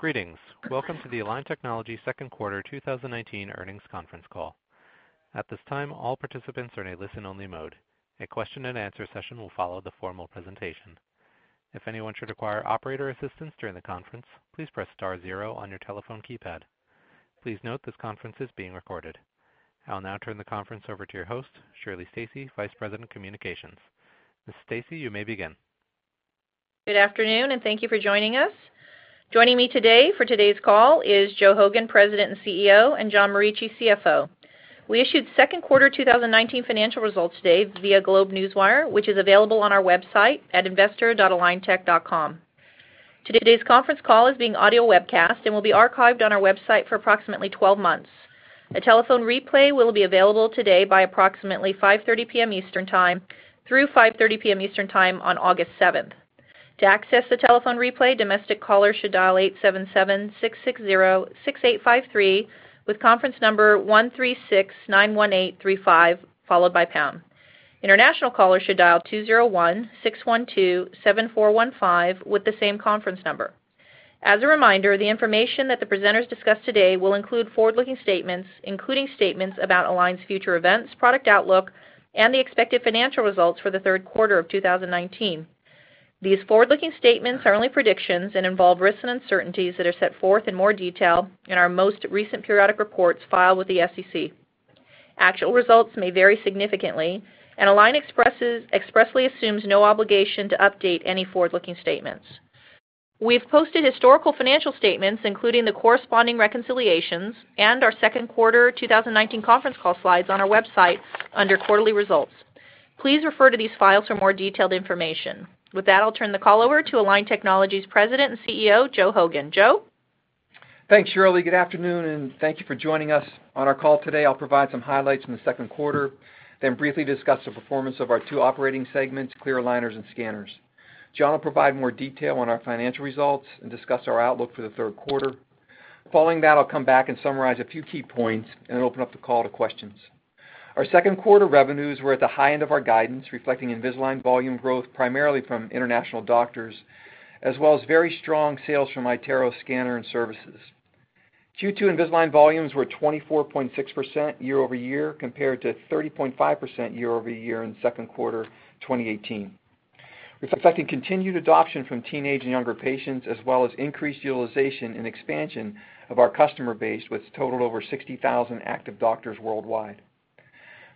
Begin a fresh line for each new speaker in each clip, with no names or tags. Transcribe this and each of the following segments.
Greetings. Welcome to the Align Technology second quarter 2019 earnings conference call. At this time, all participants are in a listen-only mode. A question and answer session will follow the formal presentation. If anyone should require operator assistance during the conference, please press star zero on your telephone keypad. Please note this conference is being recorded. I will now turn the conference over to your host, Shirley Stacy, Vice President of Communications. Ms. Stacy, you may begin.
Good afternoon, thank you for joining us. Joining me today for today's call is Joe Hogan, President and CEO, and John Morici, CFO. We issued second quarter 2019 financial results today via GlobeNewswire, which is available on our website at investor.aligntech.com. Today's conference call is being audio webcast and will be archived on our website for approximately 12 months. A telephone replay will be available today by approximately 5:30 P.M. Eastern Time through 5:30 P.M. Eastern Time on August 7th. To access the telephone replay, domestic callers should dial 877-660-6853 with conference number 136-918-35, followed by pound. International callers should dial 201-612-7415 with the same conference number. As a reminder, the information that the presenters discuss today will include forward-looking statements, including statements about Align's future events, product outlook, and the expected financial results for the third quarter of 2019. These forward-looking statements are only predictions and involve risks and uncertainties that are set forth in more detail in our most recent periodic reports filed with the SEC. Align expressly assumes no obligation to update any forward-looking statements. We've posted historical financial statements, including the corresponding reconciliations and our second quarter 2019 conference call slides on our website under quarterly results. Please refer to these files for more detailed information. With that, I'll turn the call over to Align Technology's President and CEO, Joe Hogan. Joe?
Thanks, Shirley. Good afternoon, thank you for joining us on our call today. I'll provide some highlights from the second quarter, then briefly discuss the performance of our two operating segments, clear aligners and scanners. John will provide more detail on our financial results and discuss our outlook for the third quarter. Following that, I'll come back and summarize a few key points and then open up the call to questions. Our second quarter revenues were at the high end of our guidance, reflecting Invisalign volume growth primarily from international doctors, as well as very strong sales from iTero scanner and services. Q2 Invisalign volumes were 24.6% year-over-year, compared to 30.5% year-over-year in the second quarter of 2018, reflecting continued adoption from teenage and younger patients, as well as increased utilization and expansion of our customer base, which totaled over 60,000 active doctors worldwide.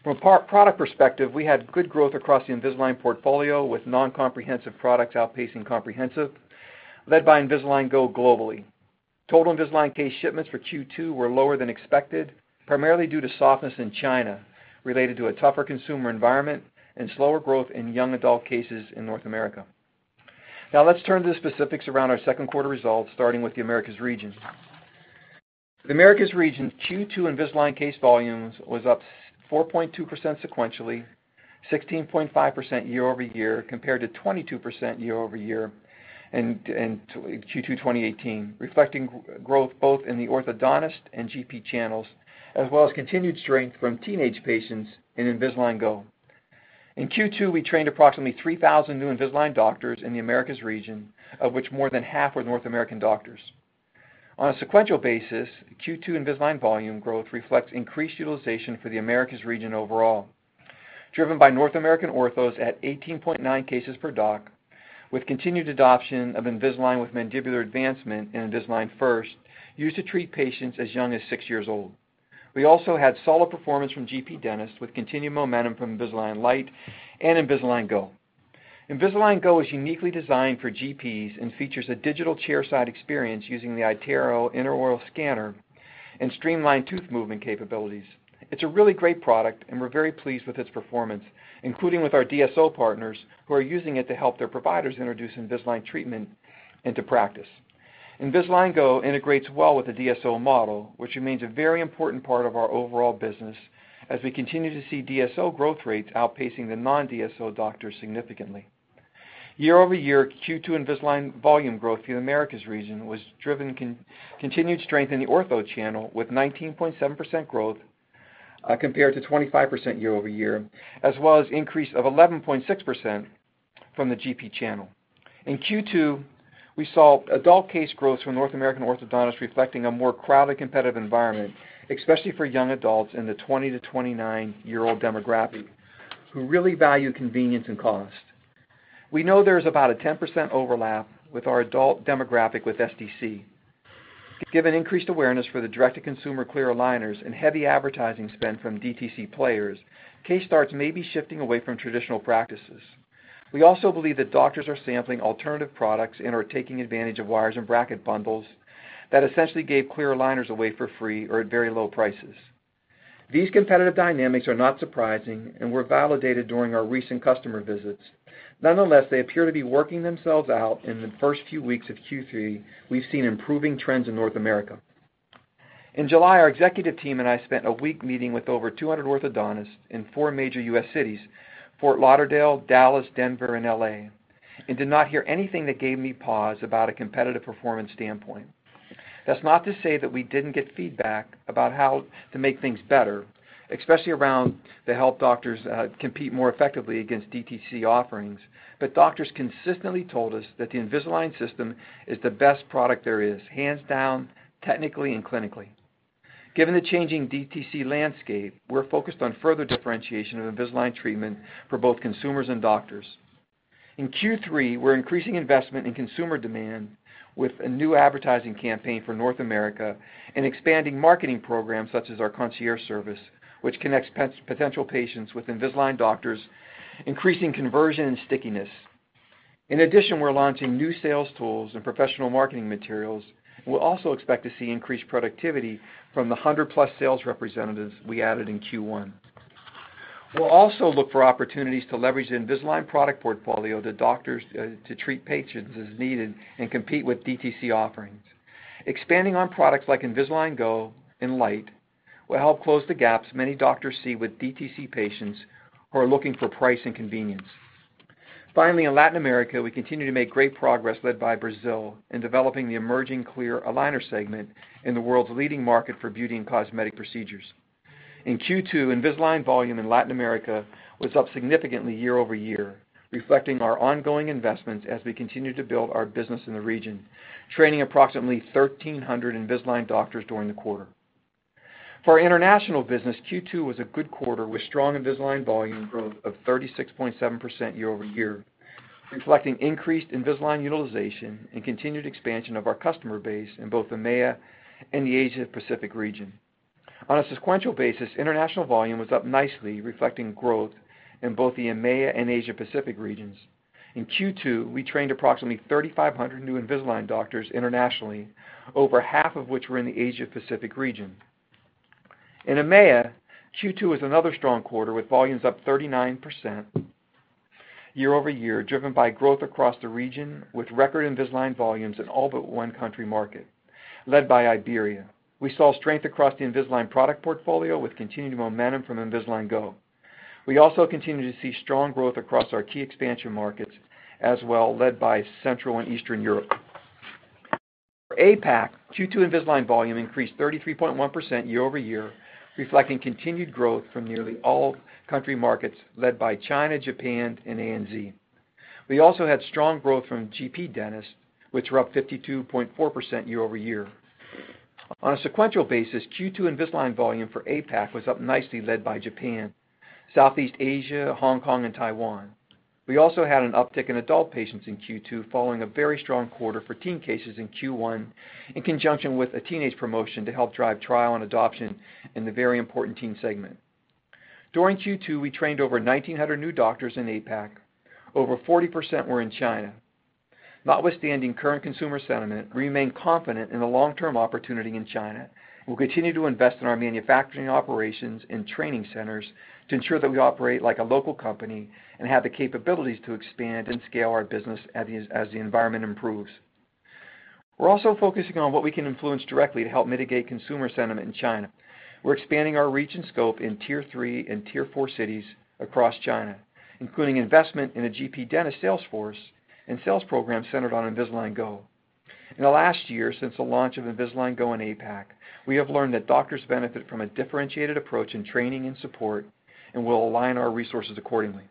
From a product perspective, we had good growth across the Invisalign portfolio, with non-comprehensive products outpacing comprehensive, led by Invisalign Go globally. Total Invisalign case shipments for Q2 were lower than expected, primarily due to softness in China related to a tougher consumer environment and slower growth in young adult cases in North America. Now, let's turn to the specifics around our second quarter results, starting with the Americas region. The Americas region Q2 Invisalign case volumes was up 4.2% sequentially, 16.5% year-over-year, compared to 22% year-over-year in Q2 2018, reflecting growth both in the orthodontist and GP channels, as well as continued strength from teenage patients in Invisalign Go. In Q2, we trained approximately 3,000 new Invisalign doctors in the Americas region, of which more than half were North American doctors. On a sequential basis, Q2 Invisalign volume growth reflects increased utilization for the Americas region overall, driven by North American orthos at 18.9 cases per doc, with continued adoption of Invisalign with Mandibular Advancement and Invisalign First, used to treat patients as young as six-years old. We also had solid performance from GP dentists, with continued momentum from Invisalign Lite and Invisalign Go. Invisalign Go is uniquely designed for GPs and features a digital chairside experience using the iTero intraoral scanner and streamlined tooth movement capabilities. It's a really great product, and we're very pleased with its performance, including with our DSO partners, who are using it to help their providers introduce Invisalign treatment into practice. Invisalign Go integrates well with the DSO model, which remains a very important part of our overall business as we continue to see DSO growth rates outpacing the non-DSO doctors significantly. Year-over-year, Q2 Invisalign volume growth in the Americas region was driven by continued strength in the ortho channel, with 19.7% growth compared to 25% year-over-year, as well as an increase of 11.6% from the GP channel. In Q2, we saw adult case growth from North American orthodontists reflecting a more crowded competitive environment, especially for young adults in the 20 to 29-year-old demographic, who really value convenience and cost. We know there is about a 10% overlap with our adult demographic with SDC. Given increased awareness for the direct-to-consumer clear aligners and heavy advertising spend from DTC players, case starts may be shifting away from traditional practices. We also believe that doctors are sampling alternative products and are taking advantage of wires and bracket bundles that essentially gave clear aligners away for free or at very low prices. These competitive dynamics are not surprising and were validated during our recent customer visits. Nonetheless, they appear to be working themselves out. In the first few weeks of Q3, we've seen improving trends in North America. In July, our executive team and I spent a week meeting with over 200 orthodontists in four major U.S. cities, Fort Lauderdale, Dallas, Denver, and L.A. It did not hear anything that gave me pause about a competitive performance standpoint. That's not to say that we didn't get feedback about how to make things better, especially to help doctors compete more effectively against DTC offerings. Doctors consistently told us that the Invisalign system is the best product there is, hands down, technically and clinically. Given the changing DTC landscape, we're focused on further differentiation of Invisalign treatment for both consumers and doctors. In Q3, we're increasing investment in consumer demand with a new advertising campaign for North America and expanding marketing programs such as our concierge service, which connects potential patients with Invisalign doctors, increasing conversion and stickiness. In addition, we're launching new sales tools and professional marketing materials. We'll also expect to see increased productivity from the 100+ sales representatives we added in Q1. We'll also look for opportunities to leverage the Invisalign product portfolio to doctors to treat patients as needed and compete with DTC offerings. Expanding on products like Invisalign Go and Lite, will help close the gaps many doctors see with DTC patients who are looking for price and convenience. Finally, in Latin America, we continue to make great progress, led by Brazil, in developing the emerging clear aligner segment in the world's leading market for beauty and cosmetic procedures. In Q2, Invisalign volume in Latin America was up significantly year-over-year, reflecting our ongoing investments as we continue to build our business in the region, training approximately 1,300 Invisalign doctors during the quarter. For our international business, Q2 was a good quarter with strong Invisalign volume growth of 36.7% year-over-year, reflecting increased Invisalign utilization and continued expansion of our customer base in both EMEA and the Asia Pacific region. On a sequential basis, international volume was up nicely, reflecting growth in both the EMEA and Asia Pacific regions. In Q2, we trained approximately 3,500 new Invisalign doctors internationally, over half of which were in the Asia Pacific region. In EMEA, Q2 was another strong quarter, with volumes up 39% year-over-year, driven by growth across the region with record Invisalign volumes in all but one country market, led by Iberia. We saw strength across the Invisalign product portfolio with continued momentum from Invisalign Go. We also continue to see strong growth across our key expansion markets as well, led by Central and Eastern Europe. For APAC, Q2 Invisalign volume increased 33.1% year-over-year, reflecting continued growth from nearly all country markets, led by China, Japan, and ANZ. We also had strong growth from GP dentists, which were up 52.4% year-over-year. On a sequential basis, Q2 Invisalign volume for APAC was up nicely, led by Japan, Southeast Asia, Hong Kong, and Taiwan. We also had an uptick in adult patients in Q2, following a very strong quarter for teen cases in Q1, in conjunction with a teenage promotion to help drive trial and adoption in the very important teen segment. During Q2, we trained over 1,900 new doctors in APAC. Over 40% were in China. Notwithstanding current consumer sentiment, we remain confident in the long-term opportunity in China. We'll continue to invest in our manufacturing operations and training centers to ensure that we operate like a local company and have the capabilities to expand and scale our business as the environment improves. We're also focusing on what we can influence directly to help mitigate consumer sentiment in China. We're expanding our reach and scope in Tier 3 and Tier 4 cities across China, including investment in a GP dentist sales force and sales program centered on Invisalign Go. In the last year since the launch of Invisalign Go in APAC, we have learned that doctors benefit from a differentiated approach in training and support, and we'll align our resources accordingly.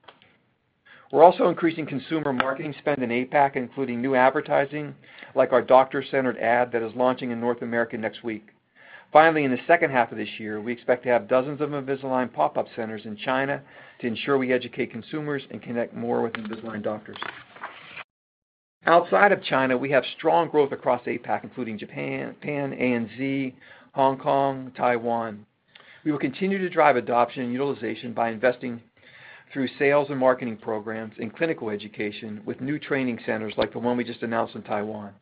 We're also increasing consumer marketing spend in APAC, including new advertising, like our doctor-centered ad that is launching in North America next week. Finally, in the second half of this year, we expect to have dozens of Invisalign pop-up centers in China to ensure we educate consumers and connect more with Invisalign doctors. Outside of China, we have strong growth across APAC, including Japan, ANZ, Hong Kong, Taiwan. We will continue to drive adoption and utilization by investing through sales and marketing programs in clinical education with new training centers like the one we just announced in Taiwan.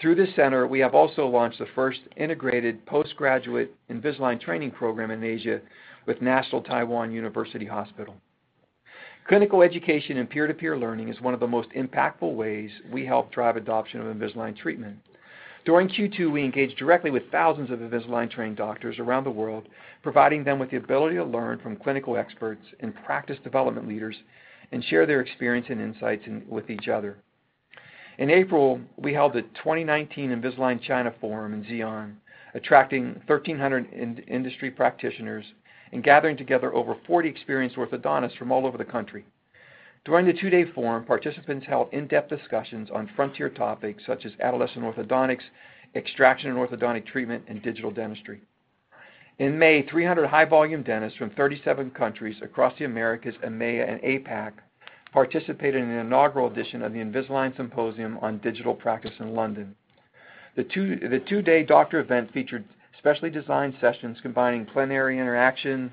Through this center, we have also launched the first integrated postgraduate Invisalign training program in Asia with National Taiwan University Hospital. Clinical education and peer-to-peer learning is one of the most impactful ways we help drive adoption of Invisalign treatment. During Q2, we engaged directly with thousands of Invisalign-trained doctors around the world, providing them with the ability to learn from clinical experts and practice development leaders and share their experience and insights with each other. In April, we held the 2019 Invisalign China Forum in Xi'an, attracting 1,300 industry practitioners and gathering together over 40 experienced orthodontists from all over the country. During the two-day forum, participants held in-depth discussions on frontier topics such as adolescent orthodontics, extraction and orthodontic treatment, and digital dentistry. In May, 300 high-volume dentists from 37 countries across the Americas, EMEA, and APAC participated in an inaugural edition of the Invisalign Global Symposium on the Digital Practice in London. The two-day doctor event featured specially designed sessions combining plenary interaction,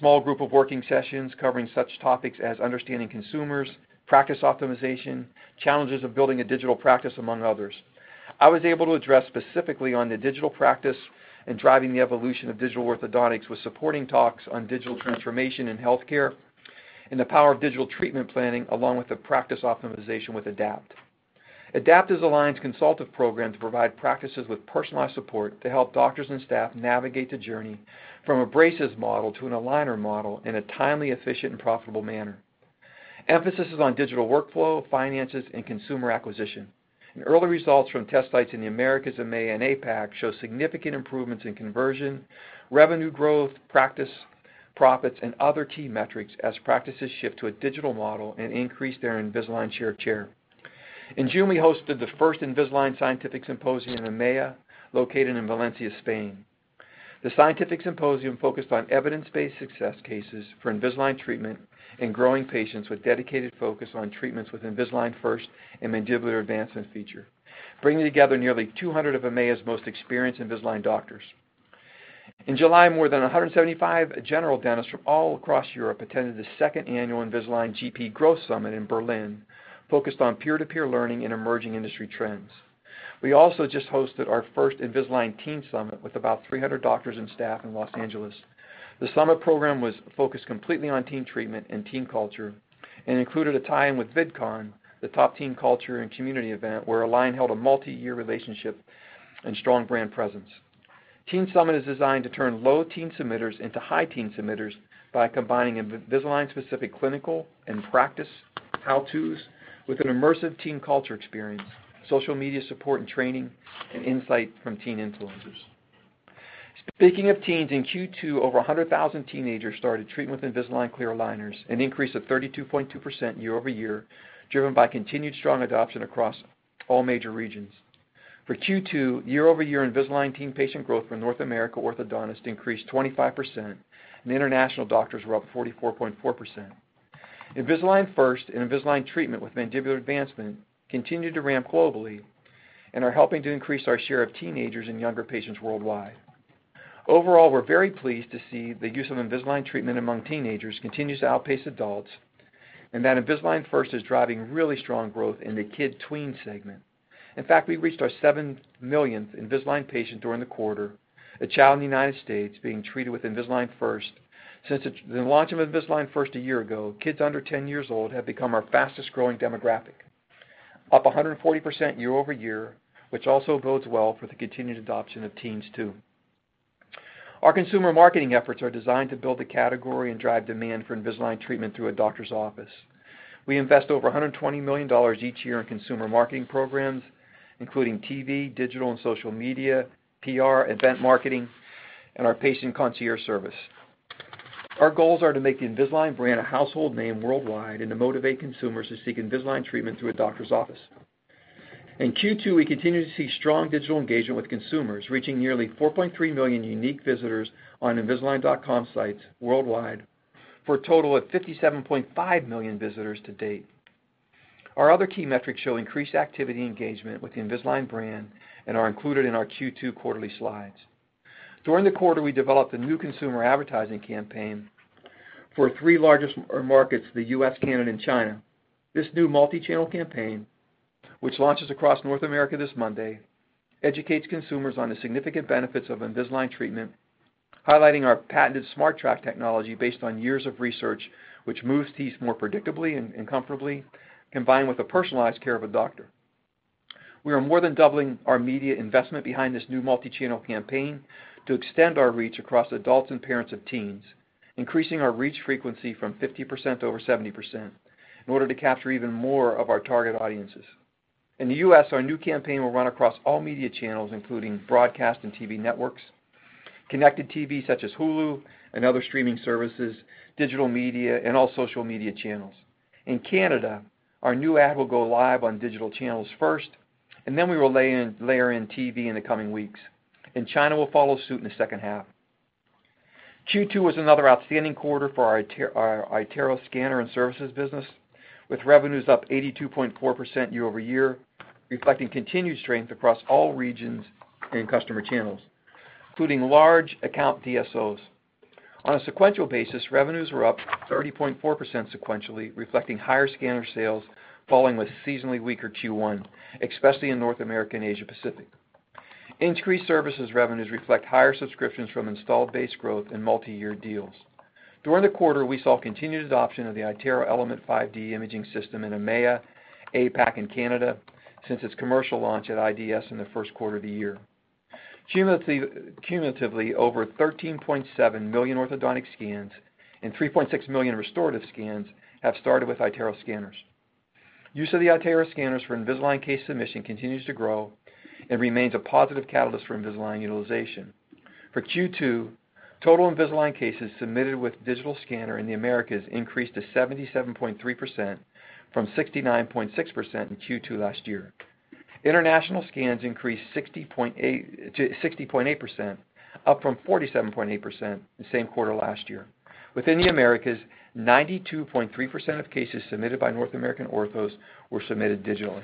small group of working sessions covering such topics as understanding consumers, practice optimization, challenges of building a digital practice, among others. I was able to address specifically on the digital practice and driving the evolution of digital orthodontics with supporting talks on digital transformation in healthcare and the power of digital treatment planning, along with the practice optimization with ADAPT. ADAPT is Align's consultative program to provide practices with personalized support to help doctors and staff navigate the journey from a braces model to an aligner model in a timely, efficient, and profitable manner. Emphasis is on digital workflow, finances, and consumer acquisition. Early results from test sites in the Americas, EMEA, and APAC show significant improvements in conversion, revenue growth, practice profits, and other key metrics as practices shift to a digital model and increase their Invisalign share of chair. In June, we hosted the first Invisalign Scientific Symposium in EMEA, located in Valencia, Spain. The Scientific Symposium focused on evidence-based success cases for Invisalign treatment and growing patients with dedicated focus on treatments with Invisalign First and Mandibular Advancement feature, bringing together nearly 200 of EMEA's most experienced Invisalign doctors. In July, more than 175 general dentists from all across Europe attended the second annual Invisalign GP Growth Summit in Berlin, focused on peer-to-peer learning and emerging industry trends. We also just hosted our first Invisalign Teen Summit with about 300 doctors and staff in Los Angeles. The summit program was focused completely on teen treatment and teen culture and included a time with VidCon, the top teen culture and community event, where Align held a multi-year relationship and strong brand presence. Teen Summit is designed to turn low teen submitters into high teen submitters by combining Invisalign-specific clinical and practice how-tos with an immersive teen culture experience, social media support and training, and insight from teen influencers. Speaking of teens, in Q2, over 100,000 teenagers started treatment with Invisalign clear aligners, an increase of 32.2% year-over-year, driven by continued strong adoption across all major regions. For Q2, year-over-year Invisalign teen patient growth for North America orthodontists increased 25%, and international doctors were up 44.4%. Invisalign First and Invisalign treatment with Mandibular Advancement continue to ramp globally and are helping to increase our share of teenagers and younger patients worldwide. Overall, we're very pleased to see the use of Invisalign treatment among teenagers continues to outpace adults, and that Invisalign First is driving really strong growth in the kid/tween segment. In fact, we reached our 7th millionth Invisalign patient during the quarter, a child in the U.S. being treated with Invisalign First. Since the launch of Invisalign First a year ago, kids under 10 years old have become our fastest-growing demographic, up 140% year-over-year, which also bodes well for the continued adoption of teens, too. Our consumer marketing efforts are designed to build the category and drive demand for Invisalign treatment through a doctor's office. We invest over $120 million each year in consumer marketing programs, including TV, digital, and social media, PR, event marketing, and our Patient Concierge service. Our goals are to make the Invisalign brand a household name worldwide and to motivate consumers to seek Invisalign treatment through a doctor's office. In Q2, we continue to see strong digital engagement with consumers, reaching nearly 4.3 million unique visitors on invisalign.com sites worldwide for a total of 57.5 million visitors to date. Our other key metrics show increased activity engagement with the Invisalign brand and are included in our Q2 quarterly slides. During the quarter, we developed a new consumer advertising campaign for our three largest markets, the U.S., Canada, and China. This new multi-channel campaign, which launches across North America this Monday, educates consumers on the significant benefits of Invisalign treatment, highlighting our patented SmartTrack technology based on years of research, which moves teeth more predictably and comfortably, combined with the personalized care of a doctor. We are more than doubling our media investment behind this new multi-channel campaign to extend our reach across adults and parents of teens, increasing our reach frequency from 50% to over 70% in order to capture even more of our target audiences. In the U.S., our new campaign will run across all media channels, including broadcast and TV networks, connected TV such as Hulu and other streaming services, digital media, and all social media channels. In Canada, our new ad will go live on digital channels first, and then we will layer in TV in the coming weeks. China will follow suit in the second half. Q2 was another outstanding quarter for our iTero scanner and services business, with revenues up 82.4% year-over-year, reflecting continued strength across all regions and customer channels, including large account DSOs. On a sequential basis, revenues were up 30.4% sequentially, reflecting higher scanner sales following a seasonally weaker Q1, especially in North America and Asia Pacific. Increased services revenues reflect higher subscriptions from installed base growth and multi-year deals. During the quarter, we saw continued adoption of the iTero Element 5D imaging system in EMEA, APAC, and Canada since its commercial launch at IDS in the first quarter of the year. Cumulatively, over 13.7 million orthodontic scans and 3.6 million restorative scans have started with iTero scanners. Use of the iTero scanners for Invisalign case submission continues to grow and remains a positive catalyst for Invisalign utilization. For Q2, total Invisalign cases submitted with digital scanner in the Americas increased to 77.3% from 69.6% in Q2 last year. International scans increased to 60.8%, up from 47.8% the same quarter last year. Within the Americas, 92.3% of cases submitted by North American orthos were submitted digitally.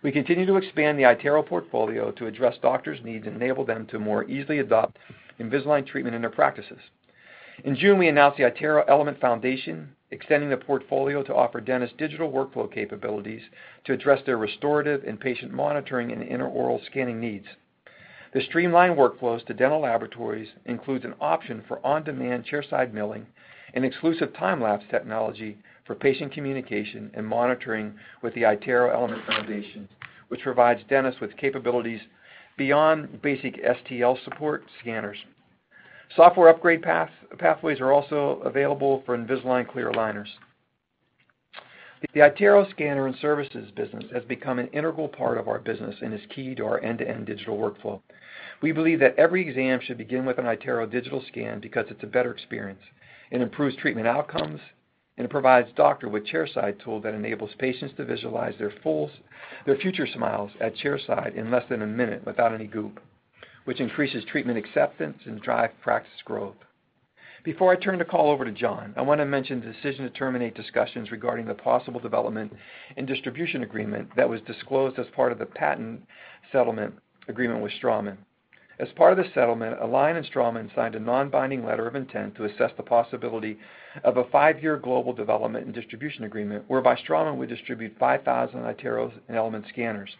We continue to expand the iTero portfolio to address doctors' needs and enable them to more easily adopt Invisalign treatment in their practices. In June, we announced the iTero Element Foundation, extending the portfolio to offer dentists digital workflow capabilities to address their restorative and patient monitoring and intraoral scanning needs. The streamlined workflows to dental laboratories includes an option for on-demand chairside milling and exclusive TimeLapse technology for patient communication and monitoring with the iTero Element Foundation, which provides dentists with capabilities beyond basic STL support scanners. Software upgrade pathways are also available for Invisalign clear aligners. The iTero scanner and services business has become an integral part of our business and is key to our end-to-end digital workflow. We believe that every exam should begin with an iTero digital scan because it's a better experience. It improves treatment outcomes and provides doctor with chairside tool that enables patients to visualize their future smiles at chairside in less than a minute without any goop, which increases treatment acceptance and drive practice growth. Before I turn the call over to John, I want to mention the decision to terminate discussions regarding the possible development and distribution agreement that was disclosed as part of the patent settlement agreement with Straumann. As part of the settlement, Align and Straumann signed a non-binding letter of intent to assess the possibility of a five-year global development and distribution agreement whereby Straumann would distribute 5,000 iTero Element scanners.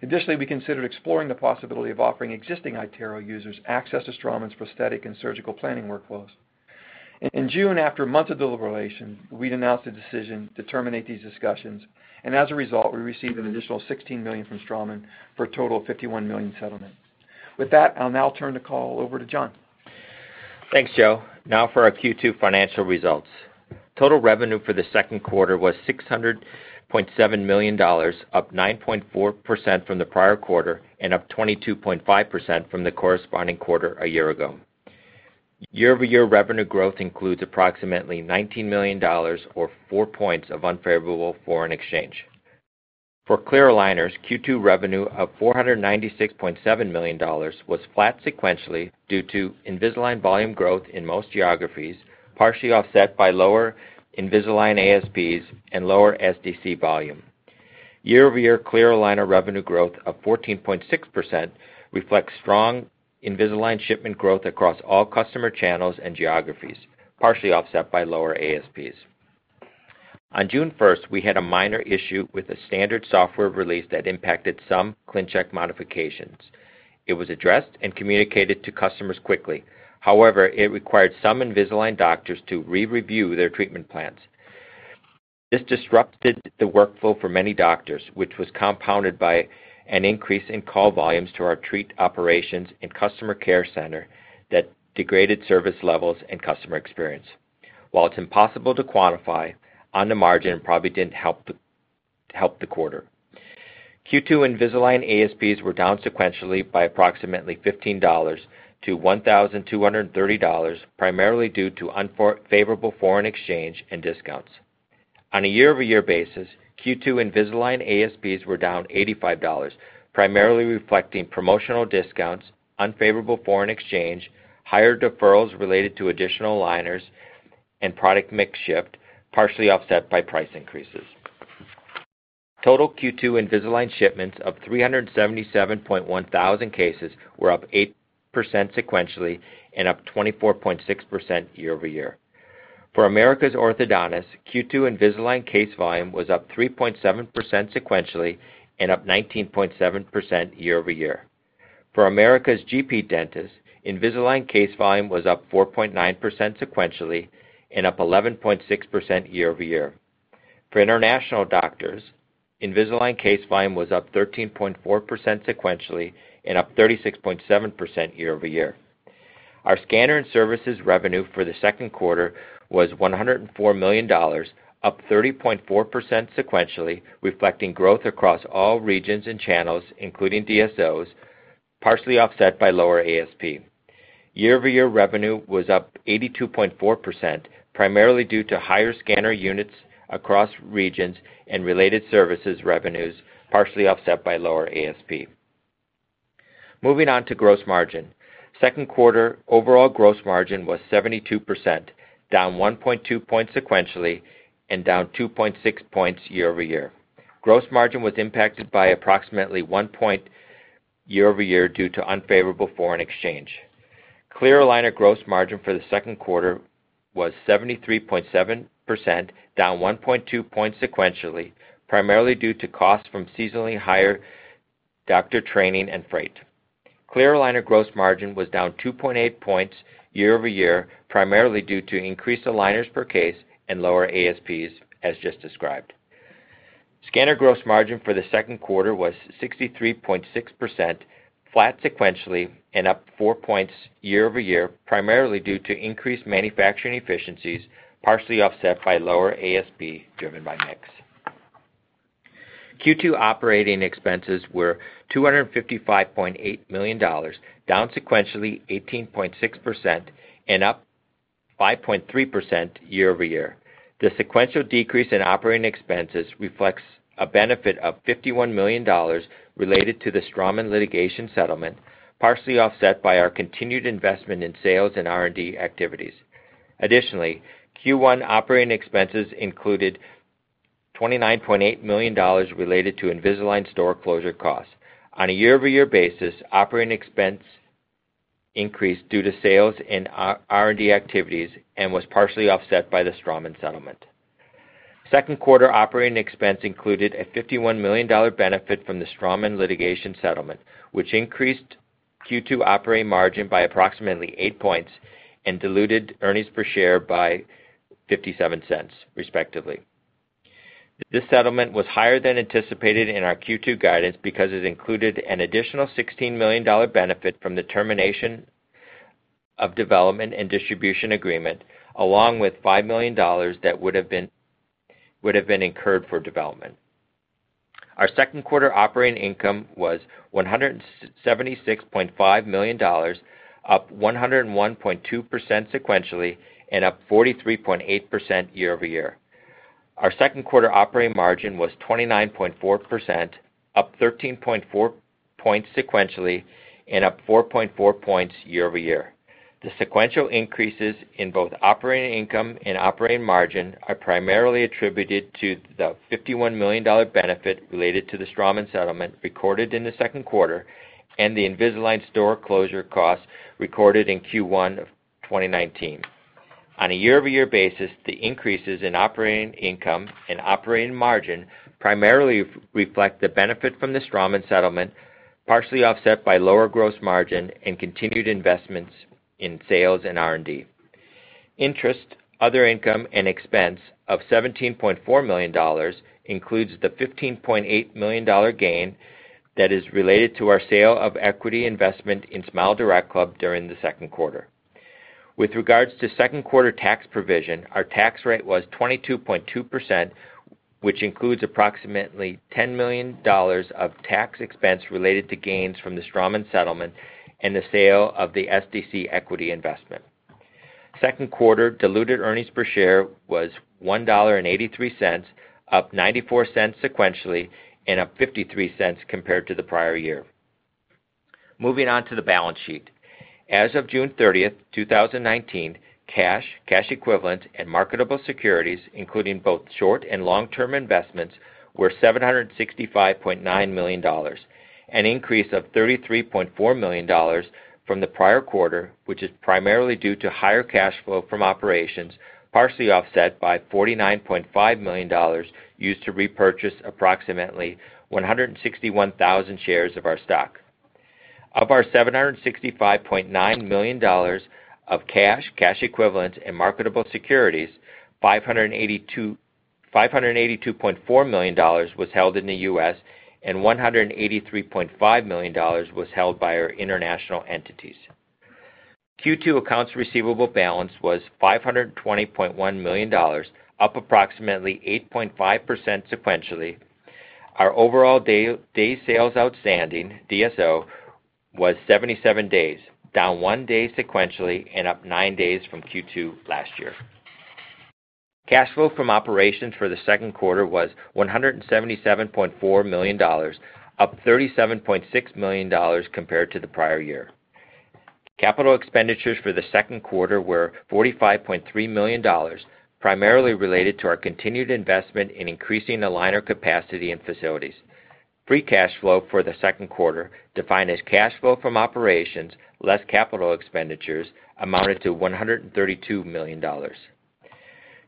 Additionally, we considered exploring the possibility of offering existing iTero users access to Straumann's prosthetic and surgical planning workflows. In June, after months of deliberation, we'd announced the decision to terminate these discussions, and as a result, we received an additional $16 million from Straumann for a total of $51 million settlement. With that, I'll now turn the call over to John.
Thanks, Joe. Now for our Q2 financial results. Total revenue for the second quarter was $600.7 million, up 9.4% from the prior quarter and up 22.5% from the corresponding quarter a year ago. Year-over-year revenue growth includes approximately $19 million or four points of unfavorable foreign exchange. For clear aligners, Q2 revenue of $496.7 million was flat sequentially due to Invisalign volume growth in most geographies, partially offset by lower Invisalign ASPs and lower SDC volume. Year-over-year clear aligner revenue growth of 14.6% reflects strong Invisalign shipment growth across all customer channels and geographies, partially offset by lower ASPs. On June 1st, we had a minor issue with a standard software release that impacted some ClinCheck modifications. It was addressed and communicated to customers quickly. However, it required some Invisalign doctors to re-review their treatment plans. This disrupted the workflow for many doctors, which was compounded by an increase in call volumes to our treat operations and customer care center that degraded service levels and customer experience. While it's impossible to quantify, on the margin, it probably didn't help the quarter. Q2 Invisalign ASPs were down sequentially by approximately $15-$1,230, primarily due to unfavorable foreign exchange and discounts. On a year-over-year basis, Q2 Invisalign ASPs were down $85, primarily reflecting promotional discounts, unfavorable foreign exchange, higher deferrals related to additional aligners, and product mix shift, partially offset by price increases. Total Q2 Invisalign shipments of 377.1 thousand cases were up 8% sequentially and up 24.6% year-over-year. For Americas' Orthodontists, Q2 Invisalign case volume was up 3.7% sequentially and up 19.7% year-over-year. For Americas' GP Dentists, Invisalign case volume was up 4.9% sequentially and up 11.6% year-over-year. For international doctors, Invisalign case volume was up 13.4% sequentially and up 36.7% year-over-year. Our scanner and services revenue for the second quarter was $104 million, up 30.4% sequentially, reflecting growth across all regions and channels, including DSOs, partially offset by lower ASP. Year-over-year revenue was up 82.4%, primarily due to higher scanner units across regions and related services revenues, partially offset by lower ASP. Moving on to gross margin. Second quarter overall gross margin was 72%, down 1.22 points sequentially and down 2.6 points year-over-year. Gross margin was impacted by approximately one point year-over-year due to unfavorable foreign exchange. Clear aligner gross margin for the second quarter was 73.7%, down 1.2 points sequentially, primarily due to cost from seasonally higher doctor training and freight. Clear aligner gross margin was down 2.8 points year-over-year, primarily due to increased aligners per case and lower ASPs, as just described. Scanner gross margin for the second quarter was 63.6%, flat sequentially and up four points year-over-year, primarily due to increased manufacturing efficiencies, partially offset by lower ASP, driven by mix. Q2 operating expenses were $255.8 million, down sequentially 18.6% and up 5.3% year-over-year. The sequential decrease in operating expenses reflects a benefit of $51 million related to the Straumann litigation settlement, partially offset by our continued investment in sales and R&D activities. Additionally, Q1 operating expenses included $29.8 million related to Invisalign store closure costs. On a year-over-year basis, operating expense increased due to sales and R&D activities and was partially offset by the Straumann settlement. Second quarter operating expense included a $51 million benefit from the Straumann litigation settlement, which increased Q2 operating margin by approximately eight points and diluted earnings per share by $0.57, respectively. This settlement was higher than anticipated in our Q2 guidance because it included an additional $16 million benefit from the termination of development and distribution agreement, along with $5 million that would have been incurred for development. Our second quarter operating income was $176.5 million, up 101.2% sequentially and up 43.8% year-over-year. Our second quarter operating margin was 29.4%, up 13.4 points sequentially and up 4.4 points year-over-year. The sequential increases in both operating income and operating margin are primarily attributed to the $51 million benefit related to the Straumann settlement recorded in the second quarter, and the Invisalign Store closure costs recorded in Q1 of 2019. On a year-over-year basis, the increases in operating income and operating margin primarily reflect the benefit from the Straumann settlement, partially offset by lower gross margin and continued investments in sales and R&D. Interest, other income, and expense of $17.4 million includes the $15.8 million gain that is related to our sale of equity investment in SmileDirectClub during the second quarter. With regards to second quarter tax provision, our tax rate was 22.2%, which includes approximately $10 million of tax expense related to gains from the Straumann settlement and the sale of the SDC equity investment. Second quarter diluted earnings per share was $1.83, up $0.94 sequentially and up $0.53 compared to the prior year. Moving on to the balance sheet. As of June 30th, 2019, cash equivalents, and marketable securities, including both short and long-term investments, were $765.9 million, an increase of $33.4 million from the prior quarter, which is primarily due to higher cash flow from operations, partially offset by $49.5 million used to repurchase approximately 161,000 shares of our stock. Of our $765.9 million of cash equivalents, and marketable securities, $582.4 million was held in the U.S. and $183.5 million was held by our International entities. Q2 accounts receivable balance was $520.1 million, up approximately 8.5% sequentially. Our overall day sales outstanding, DSO, was 77 days, down one day sequentially and up nine days from Q2 last year. Cash flow from operations for the second quarter was $177.4 million, up $37.6 million compared to the prior year. Capital expenditures for the second quarter were $45.3 million, primarily related to our continued investment in increasing aligner capacity and facilities. Free cash flow for the second quarter, defined as cash flow from operations less capital expenditures, amounted to $132 million.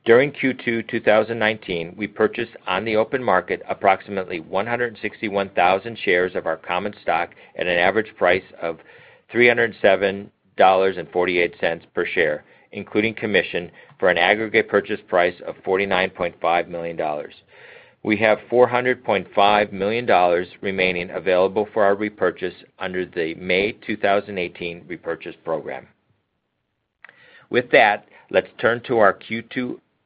During Q2 2019, we purchased on the open market approximately 161,000 shares of our common stock at an average price of $307.48 per share, including commission, for an aggregate purchase price of $49.5 million. We have $400.5 million remaining available for our repurchase under the May 2018 repurchase program. With that, let's turn to our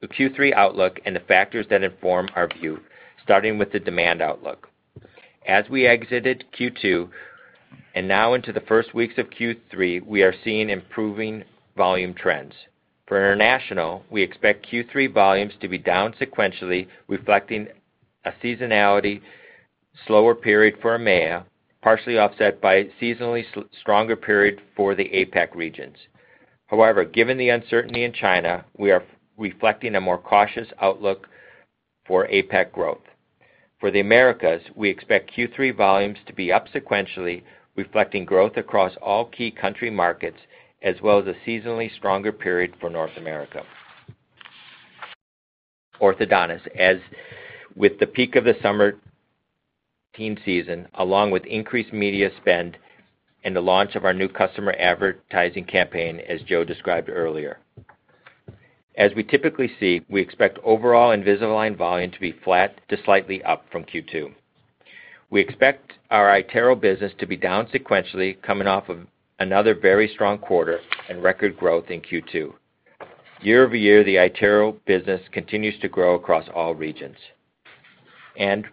Q3 outlook and the factors that inform our view, starting with the demand outlook. As we exited Q2, and now into the first weeks of Q3, we are seeing improving volume trends. For international, we expect Q3 volumes to be down sequentially, reflecting a seasonality slower period for EMEA, partially offset by a seasonally stronger period for the APAC regions. However, given the uncertainty in China, we are reflecting a more cautious outlook for APAC growth. For the Americas, we expect Q3 volumes to be up sequentially, reflecting growth across all key country markets, as well as a seasonally stronger period for North America. Orthodontists, as with the peak of the summer teen season, along with increased media spend and the launch of our new customer advertising campaign, as Joe described earlier. As we typically see, we expect overall Invisalign volume to be flat to slightly up from Q2. We expect our iTero business to be down sequentially, coming off of another very strong quarter and record growth in Q2. Year-over-year, the iTero business continues to grow across all regions.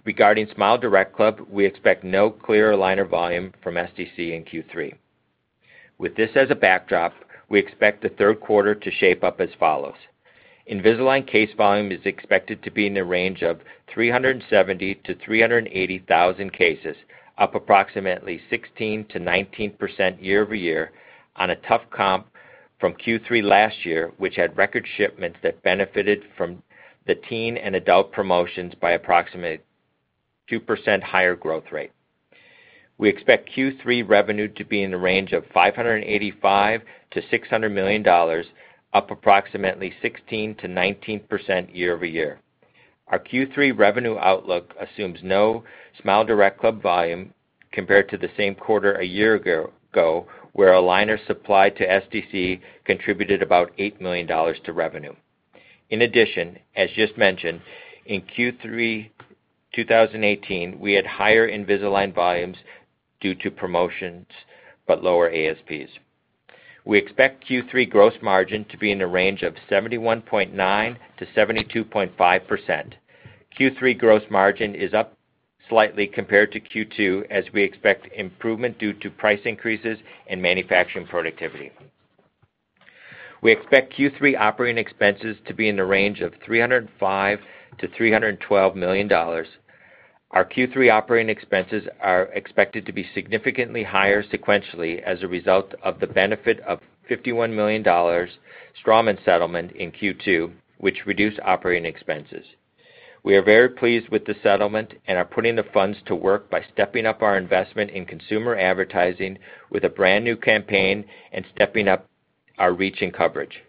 Regarding SmileDirectClub, we expect no clear aligner volume from SDC in Q3. With this as a backdrop, we expect the third quarter to shape up as follows. Invisalign case volume is expected to be in the range of 370,000 cases to 380,000 cases, up approximately 16%-19% year-over-year on a tough comp from Q3 last year, which had record shipments that benefited from the teen and adult promotions by approximately 2% higher growth rate. We expect Q3 revenue to be in the range of $585 million-$600 million, up approximately 16%-19% year-over-year. Our Q3 revenue outlook assumes no SmileDirectClub volume compared to the same quarter a year ago, where aligner supply to SDC contributed about $8 million to revenue. In addition, as just mentioned, in Q3 2018, we had higher Invisalign volumes due to promotions, but lower ASPs. We expect Q3 gross margin to be in the range of 71.9%-72.5%. Q3 gross margin is up slightly compared to Q2, as we expect improvement due to price increases and manufacturing productivity. We expect Q3 operating expenses to be in the range of $305 million-$312 million. Our Q3 operating expenses are expected to be significantly higher sequentially as a result of the benefit of $51 million Straumann settlement in Q2, which reduced operating expenses. We are very pleased with the settlement and are putting the funds to work by stepping up our investment in consumer advertising with a brand-new campaign and stepping up our reach and coverage.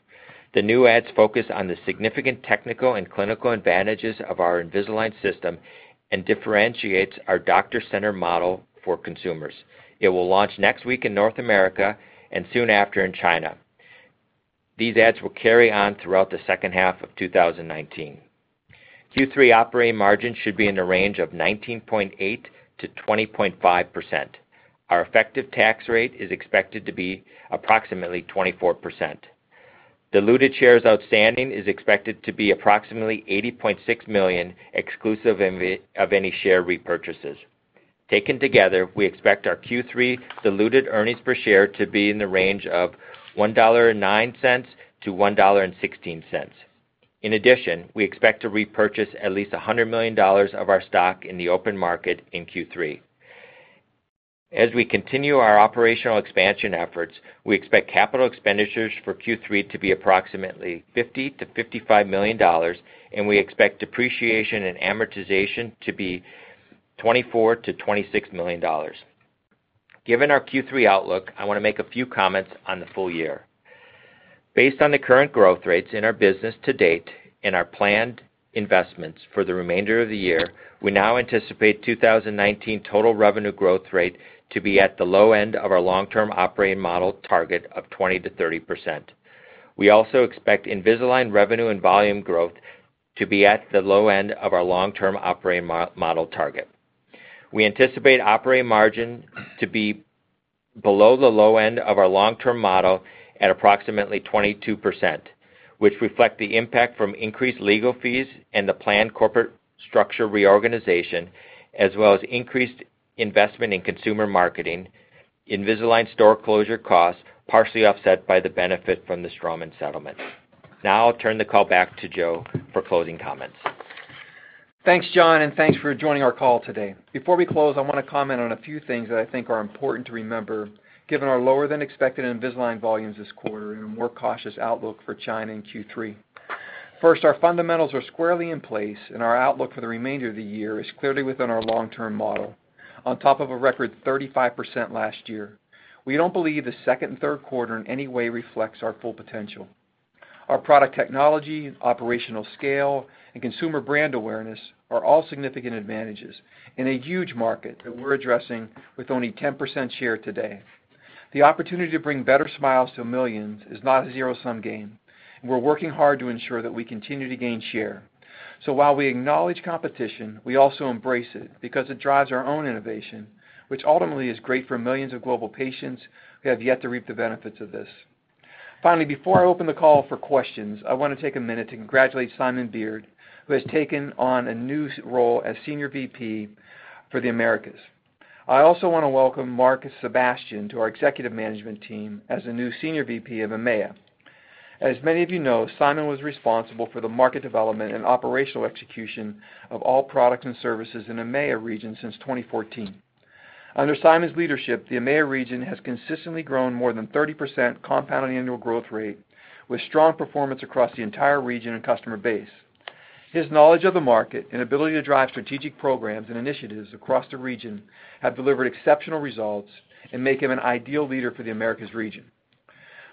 The new ads focus on the significant technical and clinical advantages of our Invisalign system and differentiates our doctor center model for consumers. It will launch next week in North America and soon after in China. These ads will carry on throughout the second half of 2019. Q3 operating margin should be in the range of 19.8%-20.5%. Our effective tax rate is expected to be approximately 24%. Diluted shares outstanding is expected to be approximately 80.6 million, exclusive of any share repurchases. Taken together, we expect our Q3 diluted earnings per share to be in the range of $1.09-$1.16. We expect to repurchase at least $100 million of our stock in the open market in Q3. As we continue our operational expansion efforts, we expect capital expenditures for Q3 to be approximately $50 million-$55 million, and we expect depreciation and amortization to be $24 million-$26 million. Given our Q3 outlook, I want to make a few comments on the full year. Based on the current growth rates in our business to date and our planned investments for the remainder of the year, we now anticipate 2019 total revenue growth rate to be at the low end of our long-term operating model target of 20%-30%. We also expect Invisalign revenue and volume growth to be at the low end of our long-term operating model target. We anticipate operating margin to be below the low end of our long-term model at approximately 22%, which reflect the impact from increased legal fees and the planned corporate structure reorganization, as well as increased investment in consumer marketing, Invisalign store closure costs, partially offset by the benefit from the Straumann settlement. Now I'll turn the call back to Joe for closing comments.
Thanks, John, and thanks for joining our call today. Before we close, I want to comment on a few things that I think are important to remember, given our lower-than-expected Invisalign volumes this quarter and a more cautious outlook for China in Q3. First, our fundamentals are squarely in place, and our outlook for the remainder of the year is clearly within our long-term model, on top of a record 35% last year. We don't believe the second and third quarter in any way reflects our full potential. Our product technology, operational scale, and consumer brand awareness are all significant advantages in a huge market that we're addressing with only 10% share today. The opportunity to bring better smiles to millions is not a zero-sum game, and we're working hard to ensure that we continue to gain share. While we acknowledge competition, we also embrace it because it drives our own innovation, which ultimately is great for millions of global patients who have yet to reap the benefits of this. Finally, before I open the call for questions, I want to take a minute to congratulate Simon Beard, who has taken on a new role as Senior VP for the Americas. I also want to welcome Markus Sebastian to our executive management team as the new Senior VP of EMEA. As many of you know, Simon was responsible for the market development and operational execution of all products and services in the EMEA region since 2014. Under Simon's leadership, the EMEA region has consistently grown more than 30% compound annual growth rate, with strong performance across the entire region and customer base. His knowledge of the market and ability to drive strategic programs and initiatives across the region have delivered exceptional results and make him an ideal leader for the Americas region.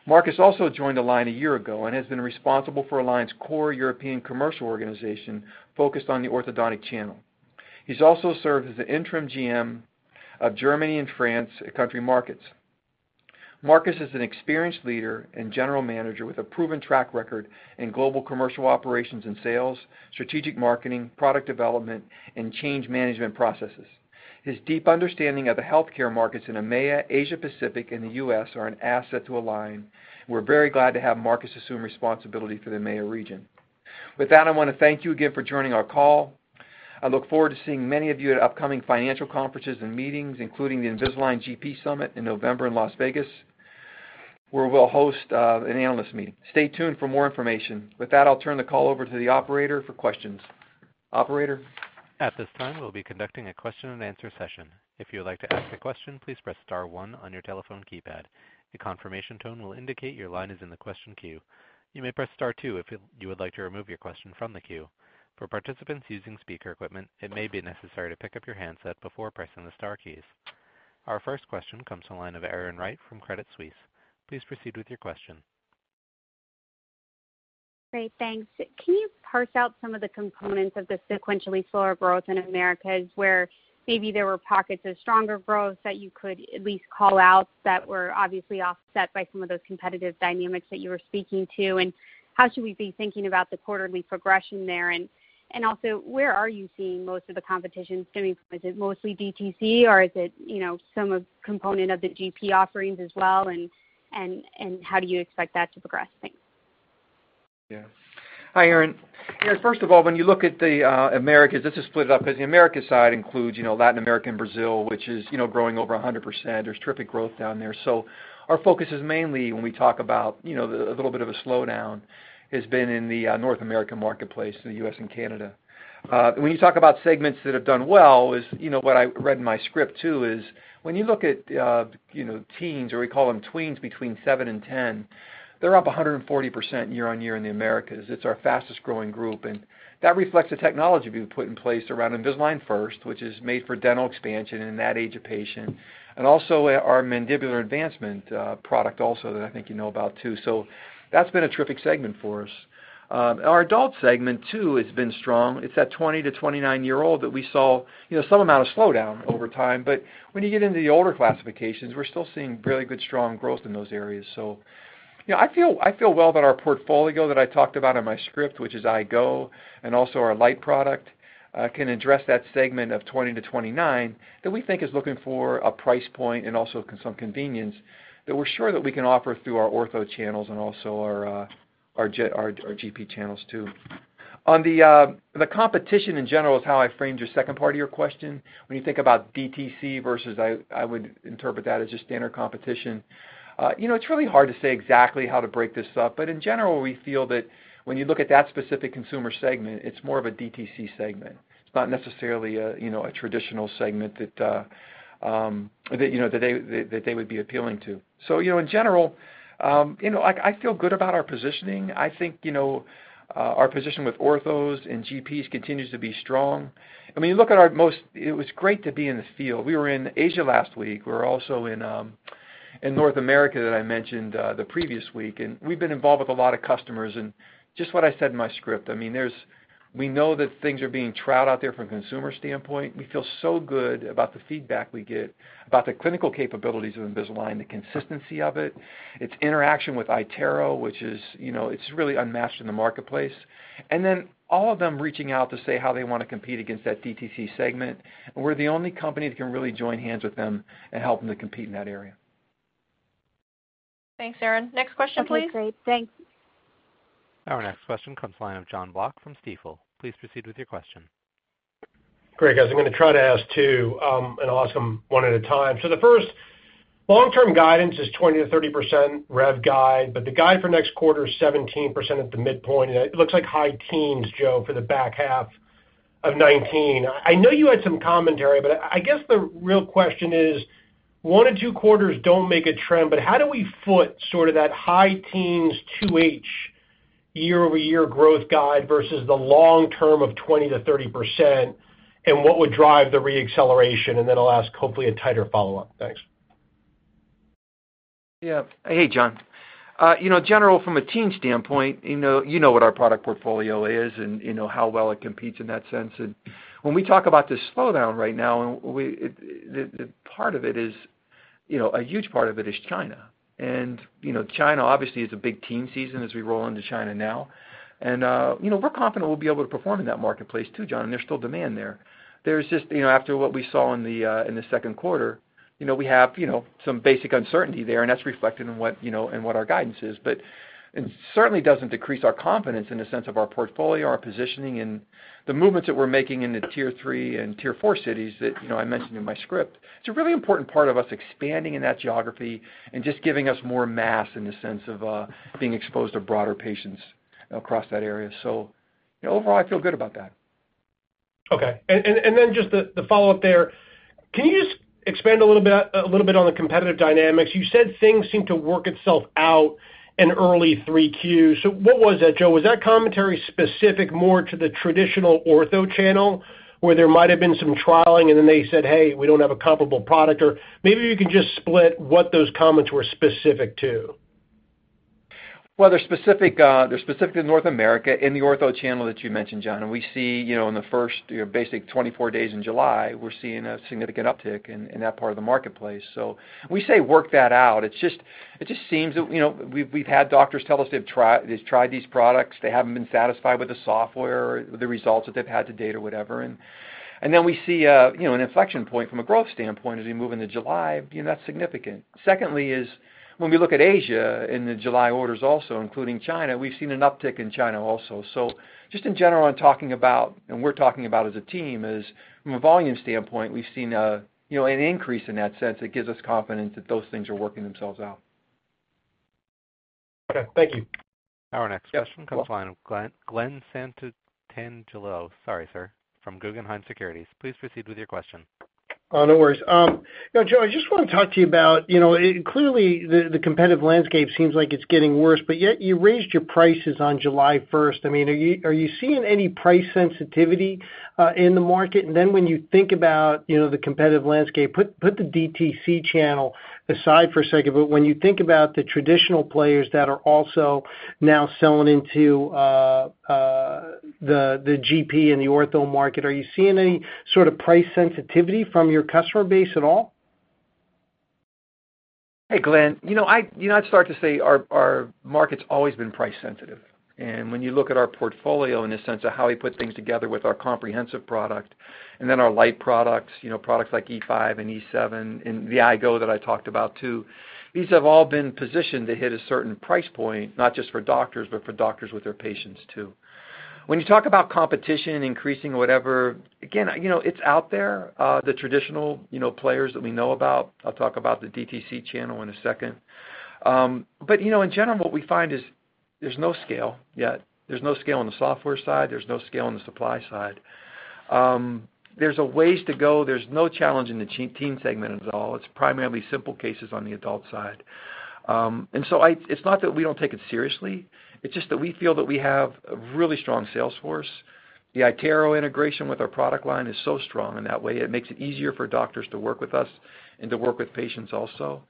Markus also joined Align a year ago and has been responsible for Align's core European commercial organization focused on the orthodontic channel. He's also served as the interim GM of Germany and France country markets. Markus is an experienced leader and general manager with a proven track record in global commercial operations and sales, strategic marketing, product development, and change management processes. His deep understanding of the healthcare markets in EMEA, Asia Pacific, and the U.S. are an asset to Align. We're very glad to have Markus assume responsibility for the EMEA region. With that, I want to thank you again for joining our call. I look forward to seeing many of you at upcoming financial conferences and meetings, including the Invisalign GP Summit in November in Las Vegas, where we'll host an analyst meeting. Stay tuned for more information. With that, I'll turn the call over to the operator for questions. Operator?
At this time, we'll be conducting a question and answer session. If you would like to ask a question, please press star-one on your telephone keypad. A confirmation tone will indicate your line is in the question queue. You may press star-two if you would like to remove your question from the queue. For participants using speaker equipment, it may be necessary to pick up your handset before pressing the star keys. Our first question comes from the line of Erin Wright from Credit Suisse. Please proceed with your question.
Great. Thanks. Can you parse out some of the components of the sequentially slower growth in Americas, where maybe there were pockets of stronger growth that you could at least call out that were obviously offset by some of those competitive dynamics that you were speaking to? How should we be thinking about the quarterly progression there? Where are you seeing most of the competition stemming from? Is it mostly DTC, or is it some component of the GP offerings as well, and how do you expect that to progress? Thanks.
Yeah. Hi, Erin. First of all, when you look at the Americas, just to split it up, because the Americas side includes Latin America and Brazil, which is growing over 100%. There's terrific growth down there. Our focus is mainly, when we talk about a little bit of a slowdown, has been in the North American marketplace, the U.S. and Canada. When you talk about segments that have done well is, what I read in my script too, is when you look at teens, or we call them tweens, between seven and 10, they're up 140% year-on-year in the Americas. It's our fastest-growing group, and that reflects the technology we've put in place around Invisalign First, which is made for dental expansion in that age of patient, and also our Mandibular Advancement product also that I think you know about too. That's been a terrific segment for us. Our adult segment, too, has been strong. It's that 20 year-old to 29 year-old that we saw some amount of slowdown over time, but when you get into the older classifications, we're still seeing really good, strong growth in those areas. I feel well that our portfolio that I talked about in my script, which is iGO!, and also our Invisalign Lite product, can address that segment of 20 to 29 that we think is looking for a price point and also some convenience that we're sure that we can offer through our ortho channels and also our GP channels, too. On the competition in general is how I framed your second part of your question. When you think about DTC versus, I would interpret that as just standard competition. It's really hard to say exactly how to break this up. In general, we feel that when you look at that specific consumer segment, it's more of a DTC segment. It's not necessarily a traditional segment that they would be appealing to. In general, I feel good about our positioning. I think our position with orthos and GPs continues to be strong. I mean, you look at our most, it was great to be in this field. We were in Asia last week. We were also in North America, that I mentioned, the previous week. We've been involved with a lot of customers and just what I said in my script, we know that things are being tried out there from a consumer standpoint. We feel so good about the feedback we get about the clinical capabilities of Invisalign, the consistency of it, its interaction with iTero, which is really unmatched in the marketplace. All of them reaching out to say how they want to compete against that DTC segment, and we're the only company that can really join hands with them and help them to compete in that area.
Thanks, Erin. Next question, please.
Okay, great. Thanks.
Our next question comes from the line of Jonathan Block from Stifel. Please proceed with your question.
Great, guys. I'm going to try to ask two, and I'll ask them one at a time. The first, long-term guidance is 20%-30% rev guide, but the guide for next quarter is 17% at the midpoint, and it looks like high teens, Joe, for the back half of 2019. I know you had some commentary, but I guess the real question is one or two quarters don't make a trend, but how do we foot sort of that high-teens 2H year-over-year growth guide versus the long term of 20%-30% and what would drive the re-acceleration? I'll ask hopefully a tighter follow-up. Thanks.
Yeah. Hey, Jon. General from a team standpoint, you know what our product portfolio is and you know how well it competes in that sense. When we talk about this slowdown right now, a huge part of it is China obviously is a big teen season as we roll into China now. We're confident we'll be able to perform in that marketplace too, John, there's still demand there. There's just, after what we saw in the second quarter, we have some basic uncertainty there, that's reflected in what our guidance is. It certainly doesn't decrease our confidence in the sense of our portfolio, our positioning, and the movements that we're making in the Tier 3 and Tier 4 cities that I mentioned in my script. It's a really important part of us expanding in that geography and just giving us more mass in the sense of being exposed to broader patients across that area. Overall, I feel good about that.
Okay. Just the follow-up there, can you just expand a little bit on the competitive dynamics? You said things seem to work itself out in early 3 Qs. What was that, Joe? Was that commentary specific more to the traditional ortho channel, where there might have been some trialing and then they said, "Hey, we don't have a comparable product"? Maybe you can just split what those comments were specific to.
Well, they're specific to North America in the ortho channel that you mentioned, Jon. We see in the first basic 24 days in July, we're seeing a significant uptick in that part of the marketplace. When we say work that out, it just seems that we've had doctors tell us they've tried these products, they haven't been satisfied with the software or the results that they've had to date or whatever. Then we see an inflection point from a growth standpoint as we move into July. That's significant. Secondly is when we look at Asia in the July orders also, including China, we've seen an uptick in China also. Just in general, in talking about, and we're talking about as a team, is from a volume standpoint, we've seen an increase in that sense. It gives us confidence that those things are working themselves out.
Okay. Thank you.
Our next question comes the line of Glen Santangelo, sorry, sir, from Guggenheim Securities. Please proceed with your question.
Oh, no worries. Joe, I just want to talk to you about, clearly the competitive landscape seems like it's getting worse, but yet you raised your prices on July 1st. Are you seeing any price sensitivity in the market? When you think about the competitive landscape, put the DTC channel aside for a second, but when you think about the traditional players that are also now selling into the GP and the ortho market, are you seeing any sort of price sensitivity from your customer base at all?
Hey, Glen. I'd start to say our market's always been price sensitive. When you look at our portfolio in the sense of how we put things together with our comprehensive product and then our light products like E5 and E7 and the I-Go that I talked about, too, these have all been positioned to hit a certain price point, not just for doctors, but for doctors with their patients, too. When you talk about competition increasing or whatever, again, it's out there, the traditional players that we know about. I'll talk about the DTC channel in a second. In general, what we find is there's no scale yet. There's no scale on the software side. There's no scale on the supply side. There's a ways to go. There's no challenge in the teen segment at all. It's primarily simple cases on the adult side. It's not that we don't take it seriously, it's just that we feel that we have a really strong sales force. The iTero integration with our product line is so strong in that way. It makes it easier for doctors to work with us and to work with patients also.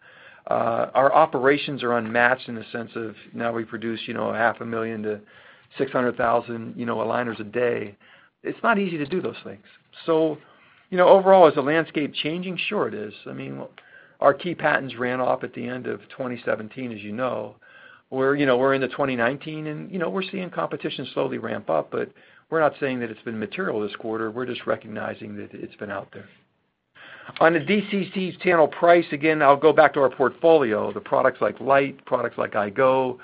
Our operations are unmatched in the sense of now we produce 0.5 million to 600,000 aligners a day. It's not easy to do those things. Overall, is the landscape changing? Sure it is. Our key patents ran off at the end of 2017, as you know. We're in the 2019, and we're seeing competition slowly ramp up, but we're not saying that it's been material this quarter. We're just recognizing that it's been out there. On the DTC channel price, again, I'll go back to our portfolio, the products like Lite, products like iGo,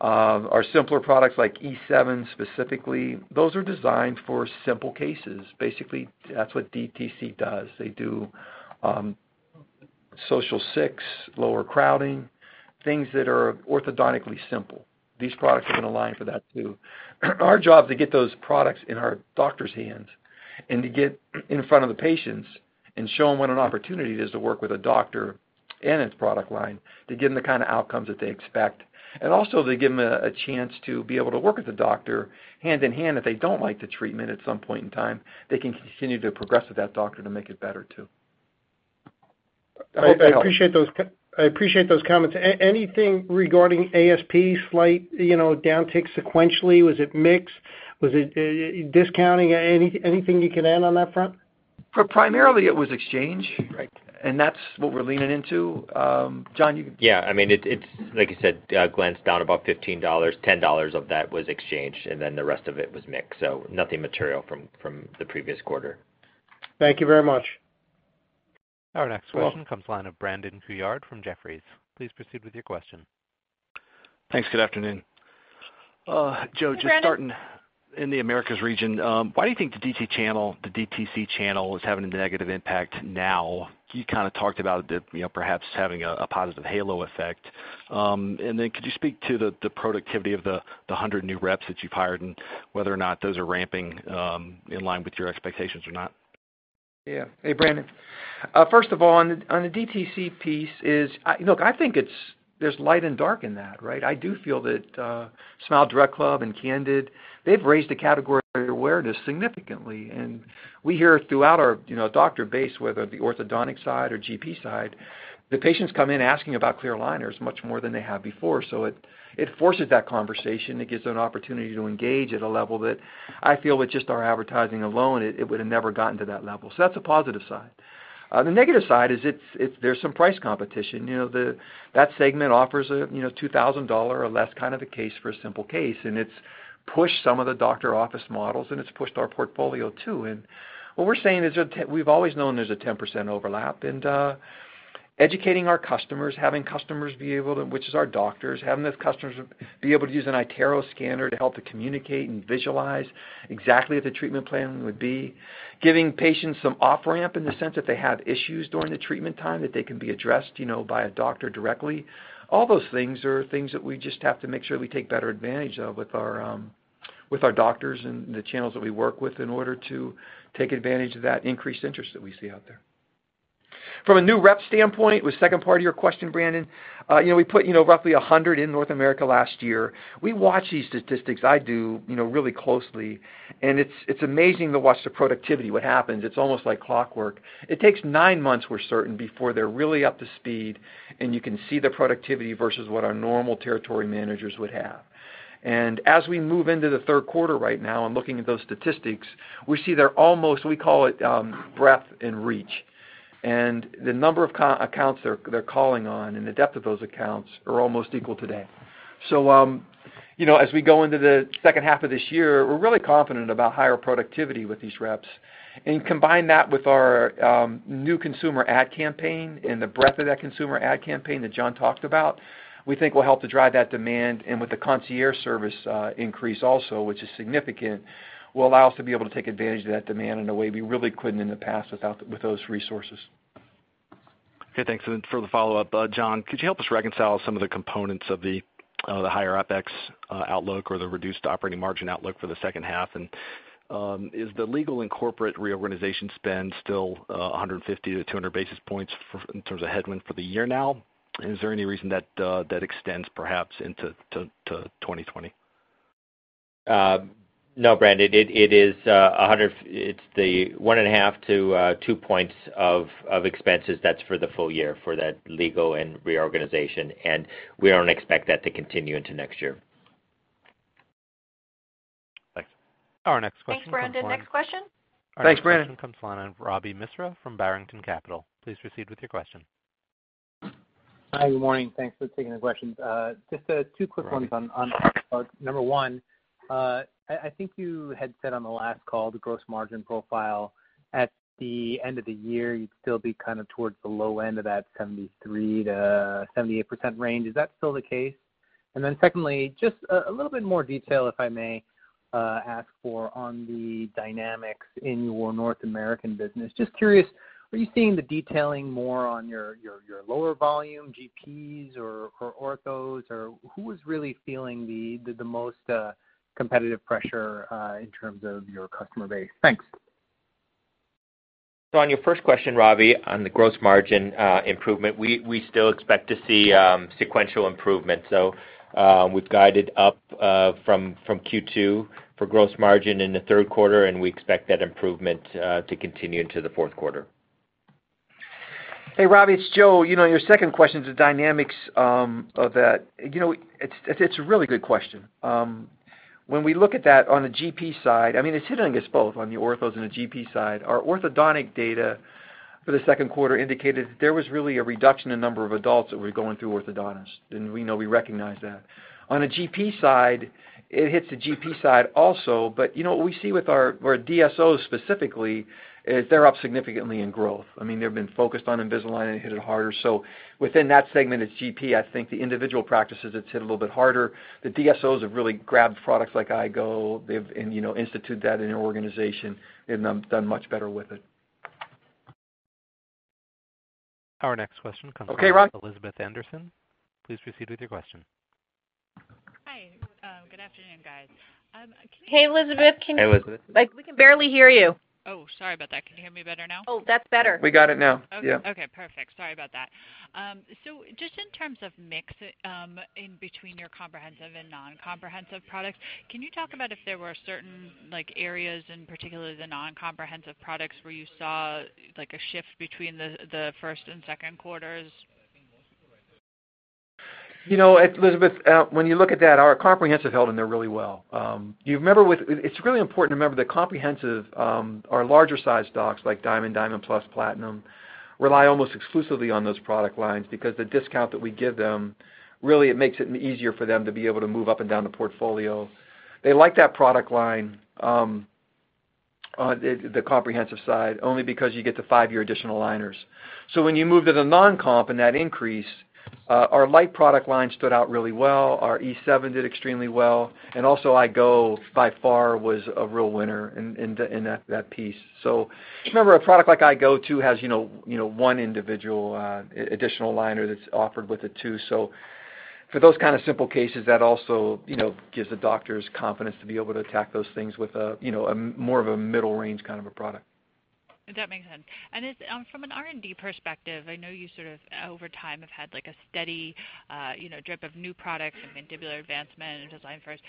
our simpler products like E7 specifically, those are designed for simple cases. Basically, that's what DTC does. They do Social 6, lower crowding, things that are orthodontically simple. These products have been aligned for that, too. Our job to get those products in our doctors' hands and to get in front of the patients and show them what an opportunity it is to work with a doctor and its product line to give them the kind of outcomes that they expect. Also to give them a chance to be able to work with a doctor hand in hand if they don't like the treatment at some point in time, they can continue to progress with that doctor to make it better, too. I hope that helped.
I appreciate those comments. Anything regarding ASPs, slight downtick sequentially? Was it mix? Was it discounting? Anything you can add on that front?
Primarily, it was exchange.
Right.
That's what we're leaning into. John.
Yeah. Like you said, Glen, it's down about $15, $10 of that was exchange, and then the rest of it was mix, so nothing material from the previous quarter.
Thank you very much.
Our next question comes line of Brandon Couillard from Jefferies. Please proceed with your question.
Thanks. Good afternoon.
Hi, Brandon.
Joe, just starting in the Americas region, why do you think the DTC channel is having a negative impact now? You kind of talked about it perhaps having a positive halo effect. Could you speak to the productivity of the 100 new reps that you've hired, and whether or not those are ramping in line with your expectations or not?
Yeah. Hey, Brandon Couillard. First of all, on the DTC piece is, look, I think there's light and dark in that, right? I do feel that SmileDirectClub and Candid, they've raised the category awareness significantly. We hear it throughout our doctor base, whether the orthodontic side or GP side, the patients come in asking about clear aligners much more than they have before. It forces that conversation. It gives an opportunity to engage at a level that I feel with just our advertising alone, it would have never gotten to that level. That's a positive side. The negative side is there's some price competition. That segment offers a $2,000 or less kind of a case for a simple case, and it's pushed some of the doctor office models, and it's pushed our portfolio, too. What we're saying is we've always known there's a 10% overlap, educating our customers, which is our doctors, having those customers be able to use an iTero scanner to help to communicate and visualize exactly what the treatment plan would be, giving patients some off-ramp in the sense if they have issues during the treatment time, that they can be addressed by a doctor directly. All those things are things that we just have to make sure we take better advantage of with our doctors and the channels that we work with in order to take advantage of that increased interest that we see out there. From a new rep standpoint, with the second part of your question, Brandon, we put roughly 100 in North America last year. We watch these statistics, I do, really closely, and it's amazing to watch the productivity, what happens. It's almost like clockwork. It takes nine-months, we're certain, before they're really up to speed, and you can see the productivity versus what our normal territory managers would have. As we move into the third quarter right now and looking at those statistics, we see they're almost, we call it breadth and reach. The number of accounts they're calling on and the depth of those accounts are almost equal today. As we go into the second half of this year, we're really confident about higher productivity with these reps. And combine that with our new consumer ad campaign and the breadth of that consumer ad campaign that John talked about, we think will help to drive that demand. With the concierge service increase also, which is significant, will allow us to be able to take advantage of that demand in a way we really couldn't in the past with those resources.
Okay, thanks. For the follow-up, John, could you help us reconcile some of the components of the higher OpEx outlook or the reduced operating margin outlook for the second half? Is the legal and corporate reorganization spend still 150 basis points to 200 basis points in terms of headwind for the year now? Is there any reason that extends perhaps into 2020?
No, Brandon, it's the 1.5 points to 2 points of expenses. That's for the full year for that legal and reorganization, and we don't expect that to continue into next year.
Our next question comes from.
Thanks, Brandon. Next question.
Thanks, Brandon.
Our next question comes from the line of Ravi Misra from Berenberg Capital Markets. Please proceed with your question.
Hi, good morning. Thanks for taking the questions. Just two quick ones on, number one, I think you had said on the last call, the gross margin profile at the end of the year, you'd still be towards the low end of that 73%-78% range. Is that still the case? Then secondly, just a little bit more detail, if I may ask for, on the dynamics in your North American business. Just curious, are you seeing the detailing more on your lower volume GPs or orthos, or who is really feeling the most competitive pressure, in terms of your customer base? Thanks.
On your first question, Ravi, on the gross margin improvement, we still expect to see sequential improvement. We've guided up from Q2 for gross margin in the third quarter, and we expect that improvement to continue into the fourth quarter.
Hey, Ravi, it's Joe. Your second question is the dynamics of that. It's a really good question. When we look at that on the GP side, it's hitting us both on the orthos and the GP side. Our orthodontic data for the second quarter indicated that there was really a reduction in number of adults that were going through orthodontists, and we know, we recognize that. On a GP side, it hits the GP side also. What we see with our DSOs specifically, is they're up significantly in growth. They've been focused on Invisalign and hit it harder. Within that segment, it's GP, I think the individual practices, it's hit a little bit harder. The DSOs have really grabbed products like I-Go, they've instituted that in their organization and done much better with it.
Our next question comes from.
Okay, Ravi.
Elizabeth Anderson. Please proceed with your question.
Hi. Good afternoon, guys.
Hey, Elizabeth.
Hey, Elizabeth.
We can barely hear you.
Sorry about that. Can you hear me better now?
Oh, that's better.
We got it now. Yeah.
Okay, perfect. Sorry about that. Just in terms of mix, in between your comprehensive and non-comprehensive products, can you talk about if there were certain areas in particular the non-comprehensive products where you saw a shift between the first and second quarters?
Elizabeth, when you look at that, our comprehensive held in there really well. It's really important to remember that comprehensive, our larger size docs like Diamond Plus, Platinum, rely almost exclusively on those product lines because the discount that we give them, really, it makes it easier for them to be able to move up and down the portfolio. They like that product line, the comprehensive side, only because you get the five-year additional aligners. When you move to the non-comp and that increase, our Lite product line stood out really well. Our E7 did extremely well. Also I-Go by far was a real winner in that piece. Remember, a product like iGo, too, has one individual additional aligner that's offered with it, too. For those kind of simple cases, that also gives the doctors confidence to be able to attack those things with more of a middle range kind of a product.
That makes sense. From an R&D perspective, I know you sort of over time have had a steady drip of new products and Mandibular Advancement and Invisalign First.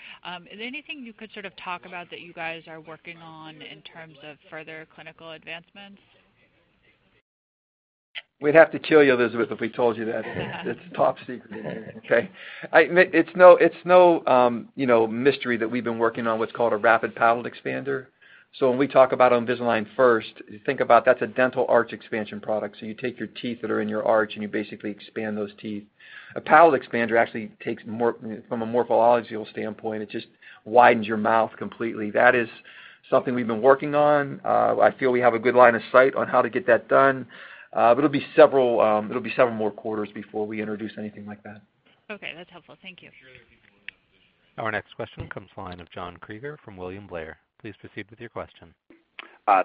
Is there anything you could sort of talk about that you guys are working on in terms of further clinical advancements?
We'd have to kill you, Elizabeth, if we told you that.
Yeah.
It's top secret. Okay. It's no mystery that we've been working on what's called a rapid palatal expander. When we talk about Invisalign First, think about that's a dental arch expansion product. You take your teeth that are in your arch, and you basically expand those teeth. A palatal expander actually takes, from a morphological standpoint, it just widens your mouth completely. That is something we've been working on. I feel we have a good line of sight on how to get that done. It'll be several more quarters before we introduce anything like that.
Okay. That's helpful. Thank you.
Our next question comes from the line of John Kreger from William Blair. Please proceed with your question.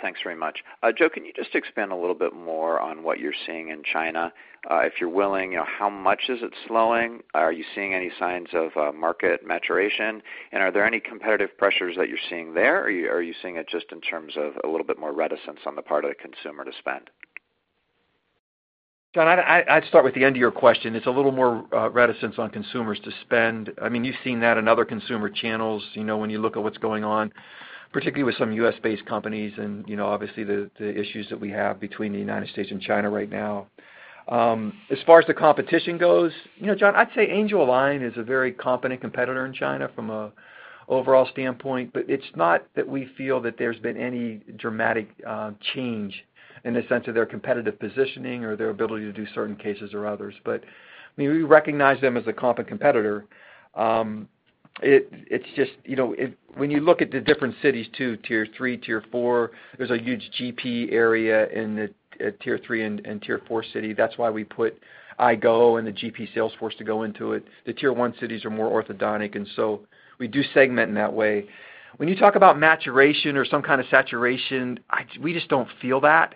Thanks very much. Joe, can you just expand a little bit more on what you're seeing in China? If you're willing, how much is it slowing? Are you seeing any signs of market maturation? Are there any competitive pressures that you're seeing there, or are you seeing it just in terms of a little bit more reticence on the part of the consumer to spend?
John, I'd start with the end of your question. It's a little more reticence on consumers to spend. You've seen that in other consumer channels, when you look at what's going on, particularly with some U.S.-based companies and obviously the issues that we have between the United States and China right now. As far as the competition goes, John, I'd say Angelalign is a very competent competitor in China from an overall standpoint, but it's not that we feel that there's been any dramatic change in the sense of their competitive positioning or their ability to do certain cases or others. We recognize them as a competent competitor. When you look at the different cities, too, Tier 3, tier 4, there's a huge GP area in the Tier 3 and Tier 4 city. That's why we put I-Go and the GP sales force to go into it. The Tier 1 cities are more orthodontic, and so we do segment in that way. When you talk about maturation or some kind of saturation, we just don't feel that.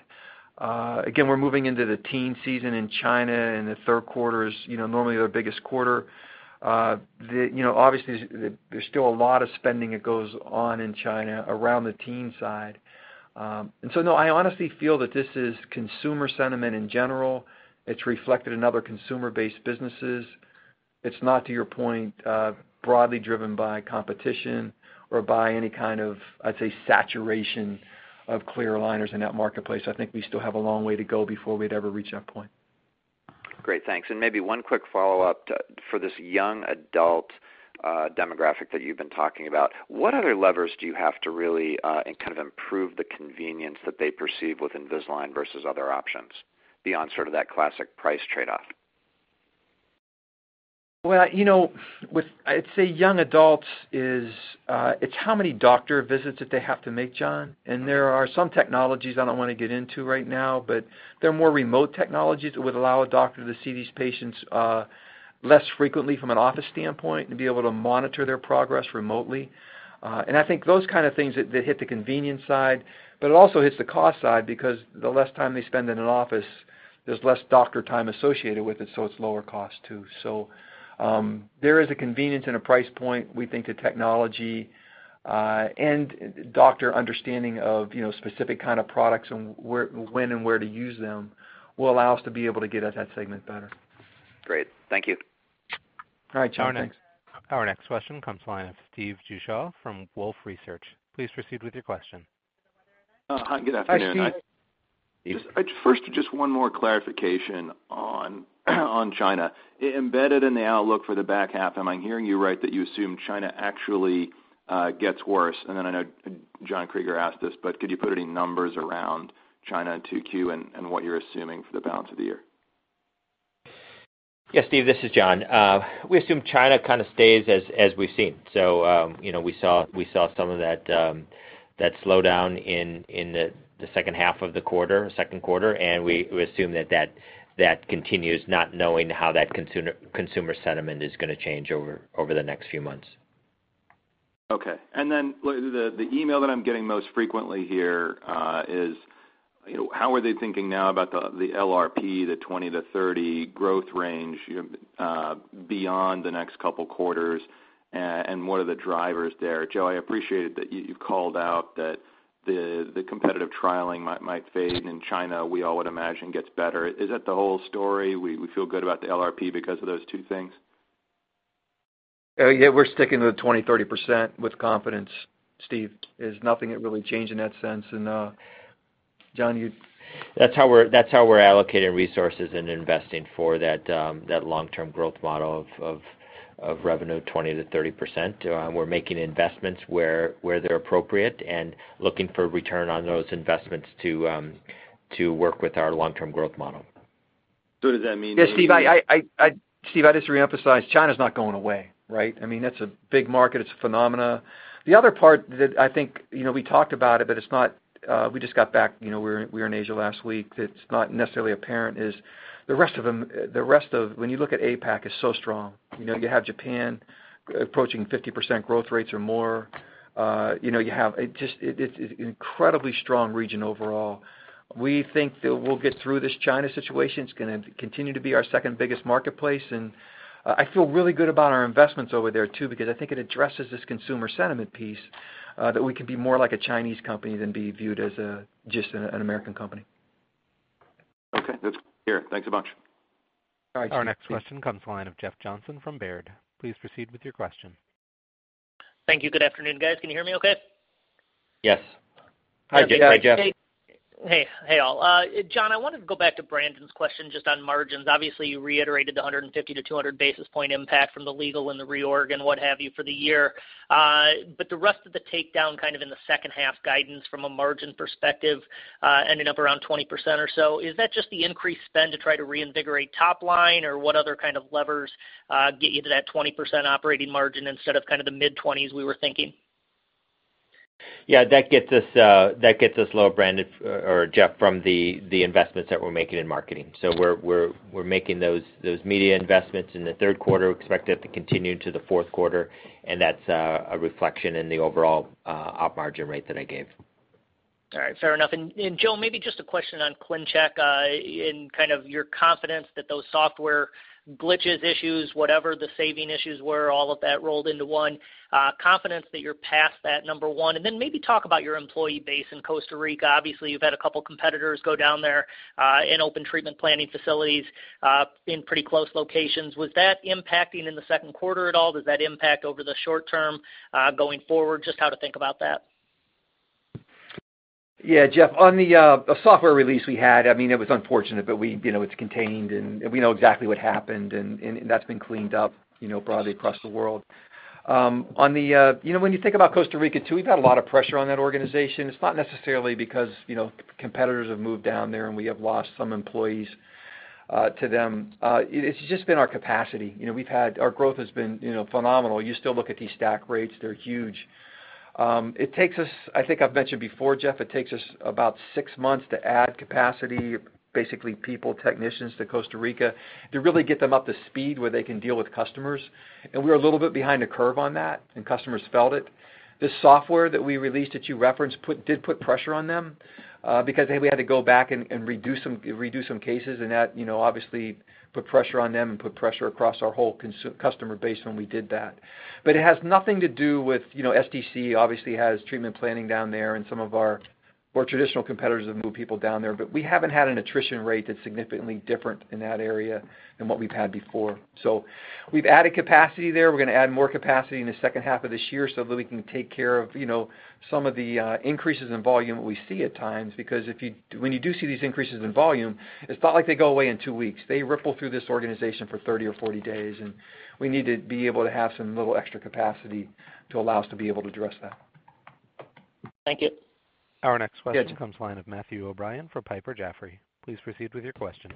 Again, we're moving into the teen season in China, and the third quarter is normally their biggest quarter. Obviously, there's still a lot of spending that goes on in China around the teen side. No, I honestly feel that this is consumer sentiment in general. It's reflected in other consumer-based businesses. It's not, to your point, broadly driven by competition or by any kind of, I'd say, saturation of clear aligners in that marketplace. I think we still have a long way to go before we'd ever reach that point.
Great. Thanks. Maybe one quick follow-up. For this young adult demographic that you've been talking about, what other levers do you have to really improve the convenience that they perceive with Invisalign versus other options beyond that classic price trade-off?
Well, I'd say young adults is, it's how many doctor visits that they have to make, John, and there are some technologies I don't want to get into right now, but they're more remote technologies that would allow a doctor to see these patients less frequently from an office standpoint and be able to monitor their progress remotely. I think those kind of things that hit the convenience side, but it also hits the cost side because the less time they spend in an office, there's less doctor time associated with it, so it's lower cost too. There is a convenience and a price point, we think the technology, and doctor understanding of specific kind of products and when and where to use them will allow us to be able to get at that segment better.
Great. Thank you.
All right, John. Thanks.
Our next question comes line of Steve Beuchaw from Wolfe Research. Please proceed with your question.
Hi, good afternoon.
Hi, Steve.
First, just one more clarification on China. Embedded in the outlook for the back half, am I hearing you right that you assume China actually gets worse? Then I know John Kreger asked this, but could you put any numbers around China in 2Q and what you're assuming for the balance of the year?
Yes, Steve, this is John. We assume China kind of stays as we've seen. We saw some of that slowdown in the second half of the quarter, second quarter, and we assume that continues, not knowing how that consumer sentiment is going to change over the next few months.
Okay. Then the email that I'm getting most frequently here, is how are they thinking now about the LRP, the 20%-30% growth range, beyond the next couple quarters? What are the drivers there? Joe, I appreciated that you called out that the competitive trialing might fade, and China, we all would imagine, gets better. Is that the whole story? We feel good about the LLP because of those two things?
Yeah, we're sticking to the 20%-30% with confidence, Steve. There's nothing that really changed in that sense. John?
That's how we're allocating resources and investing for that long-term growth model of revenue 20%-30%. We're making investments where they're appropriate and looking for return on those investments to work with our long-term growth model.
Does that mean?
Yeah, Steve, I just reemphasize, China's not going away, right? That's a big market. It's a phenomenon. The other part that I think, we talked about it, but we just got back, we were in Asia last week, it's not necessarily apparent is the rest of them, when you look at APAC, is so strong. You have Japan approaching 50% growth rates or more. It's incredibly strong region overall. We think that we'll get through this China situation. It's going to continue to be our second-biggest marketplace, and I feel really good about our investments over there too, because I think it addresses this consumer sentiment piece, that we can be more like a Chinese company than be viewed as just an American company.
Okay. That is clear. Thanks a bunch.
All right.
Our next question comes the line of Jeff Johnson from Baird. Please proceed with your question.
Thank you. Good afternoon, guys. Can you hear me okay?
Yes.
Hi, Jeff.
Hey, all. John, I wanted to go back to Brandon's question just on margins. Obviously, you reiterated the 150-200 basis point impact from the legal and the reorg and what have you for the year. The rest of the takedown kind of in the second half guidance from a margin perspective, ending up around 20% or so, is that just the increased spend to try to reinvigorate top line? What other kind of levers get you to that 20% operating margin instead of kind of the mid-20s we were thinking?
Yeah, that gets us lower, Jeff, from the investments that we're making in marketing. We're making those media investments in the third quarter. We expect that to continue into the fourth quarter, and that's a reflection in the overall op margin rate that I gave.
All right. Fair enough. Joe, maybe just a question on ClinCheck, in kind of your confidence that those software glitches issues, whatever the saving issues were, all of that rolled into one, confidence that you're past that, number one, and then maybe talk about your employee base in Costa Rica. Obviously, you've had a couple competitors go down there, and open treatment planning facilities, in pretty close locations. Was that impacting in the second quarter at all? Does that impact over the short term, going forward? Just how to think about that.
Jeff, on the software release we had, it was unfortunate, but it's contained, and we know exactly what happened, and that's been cleaned up broadly across the world. When you think about Costa Rica, too, we've had a lot of pressure on that organization. It's not necessarily because competitors have moved down there, and we have lost some employees to them. It's just been our capacity. Our growth has been phenomenal. You still look at these stack rates, they're huge. I think I've mentioned before, Jeff, it takes us about six months to add capacity, basically people, technicians to Costa Rica to really get them up to speed where they can deal with customers. We're a little bit behind the curve on that, and customers felt it. This software that we released that you referenced did put pressure on them, because they had to go back and redo some cases, and that obviously put pressure on them and put pressure across our whole customer base when we did that. It has nothing to do with SDC, obviously has treatment planning down there and some of our more traditional competitors have moved people down there, but we haven't had an attrition rate that's significantly different in that area than what we've had before. We've added capacity there. We're going to add more capacity in the second half of this year so that we can take care of some of the increases in volume we see at times. When you do see these increases in volume, it's not like they go away in two weeks. They ripple through this organization for 30 days or 40 days, and we need to be able to have some little extra capacity to allow us to be able to address that. Thank you.
Our next question comes line of Matthew O'Brien for Piper Jaffray. Please proceed with your question.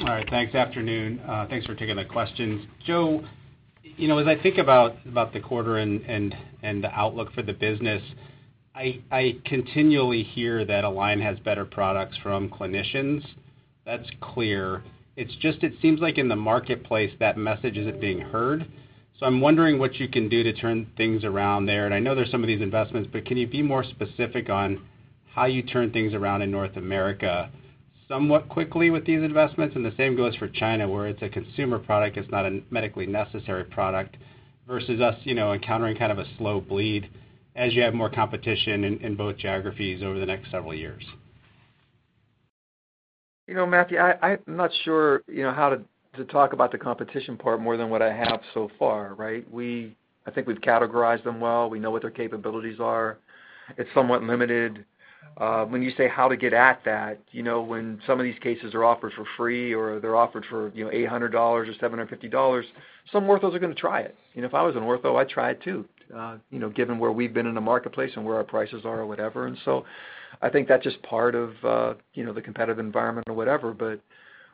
All right. Thanks. Afternoon. Thanks for taking the questions. Joe, as I think about the quarter and the outlook for the business, I continually hear that Align has better products from clinicians. That's clear. It's just it seems like in the marketplace, that message isn't being heard. I'm wondering what you can do to turn things around there, and I know there's some of these investments, but can you be more specific on how you turn things around in North America somewhat quickly with these investments? The same goes for China, where it's a consumer product, it's not a medically necessary product versus us encountering kind of a slow bleed as you have more competition in both geographies over the next several years.
Matthew, I'm not sure how to talk about the competition part more than what I have so far, right? I think we've categorized them well. We know what their capabilities are. It's somewhat limited. When you say how to get at that, when some of these cases are offered for free or they're offered for $800 or $750, some orthos are going to try it. If I was an ortho, I'd try it too, given where we've been in the marketplace and where our prices are or whatever. I think that's just part of the competitive environment or whatever, but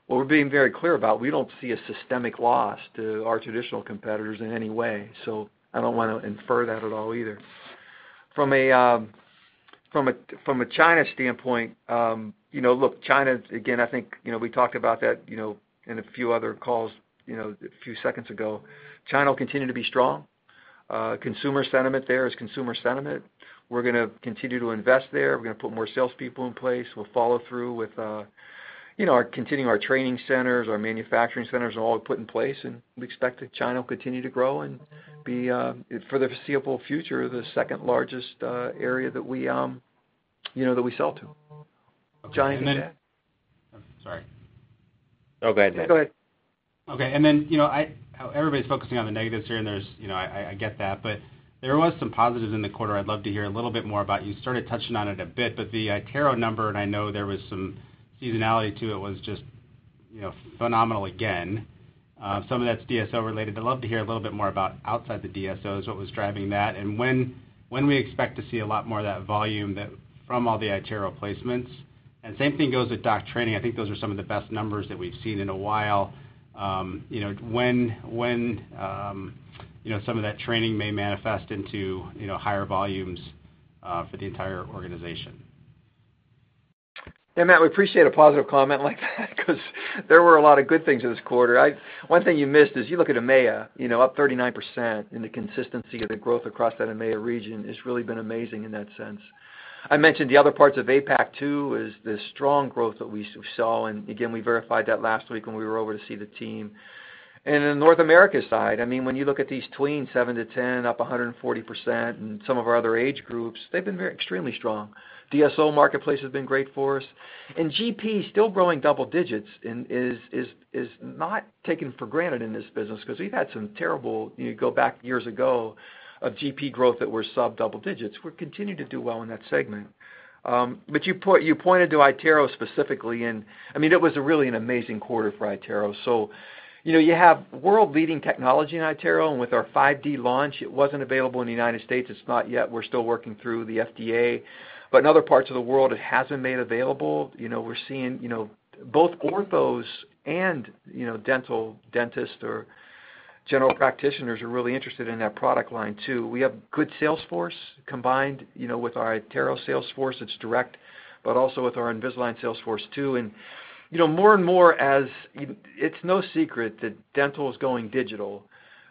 what we're being very clear about, we don't see a systemic loss to our traditional competitors in any way. I don't want to infer that at all either. From a China standpoint, look, China, again, I think, we talked about that in a few other calls a few seconds ago. China will continue to be strong. Consumer sentiment there is consumer sentiment. We're going to continue to invest there. We're going to put more salespeople in place. We'll follow through with continuing our training centers, our manufacturing centers are all put in place, and we expect that China will continue to grow and be, for the foreseeable future, the second-largest area that we sell to.
Sorry.
No, go ahead.
Go ahead. Okay. Then, everybody's focusing on the negatives here, and I get that, but there was some positives in the quarter I'd love to hear a little bit more about. You started touching on it a bit, but the iTero number, and I know there was some seasonality to it, was just phenomenal again. Some of that's DSO related, but love to hear a little bit more about outside the DSOs, what was driving that, and when we expect to see a lot more of that volume from all the iTero placements. Same thing goes with doctor training. I think those are some of the best numbers that we've seen in a while. When some of that training may manifest into higher volumes for the entire organization?
We appreciate a positive comment like that because there were a lot of good things in this quarter. One thing you missed is you look at EMEA, up 39% and the consistency of the growth across that EMEA region has really been amazing in that sense. I mentioned the other parts of APAC too, is the strong growth that we saw, and again, we verified that last week when we were over to see the team. In North America side, when you look at these tweens, 7 to 10, up 140%, and some of our other age groups, they've been extremely strong. DSO marketplace has been great for us, and GP still growing double digits is not taken for granted in this business because we've had some terrible, you go back years ago, of GP growth that were sub double digits. We're continuing to do well in that segment. You pointed to iTero specifically, and it was really an amazing quarter for iTero. You have world-leading technology in iTero, and with our 5D launch, it wasn't available in the U.S. It's not yet. We're still working through the FDA. In other parts of the world, it has been made available. We're seeing both orthos and dentists or general practitioners are really interested in that product line too. We have good sales force combined with our iTero sales force, it's direct, but also with our Invisalign sales force too. More and more as, it's no secret that dental is going digital.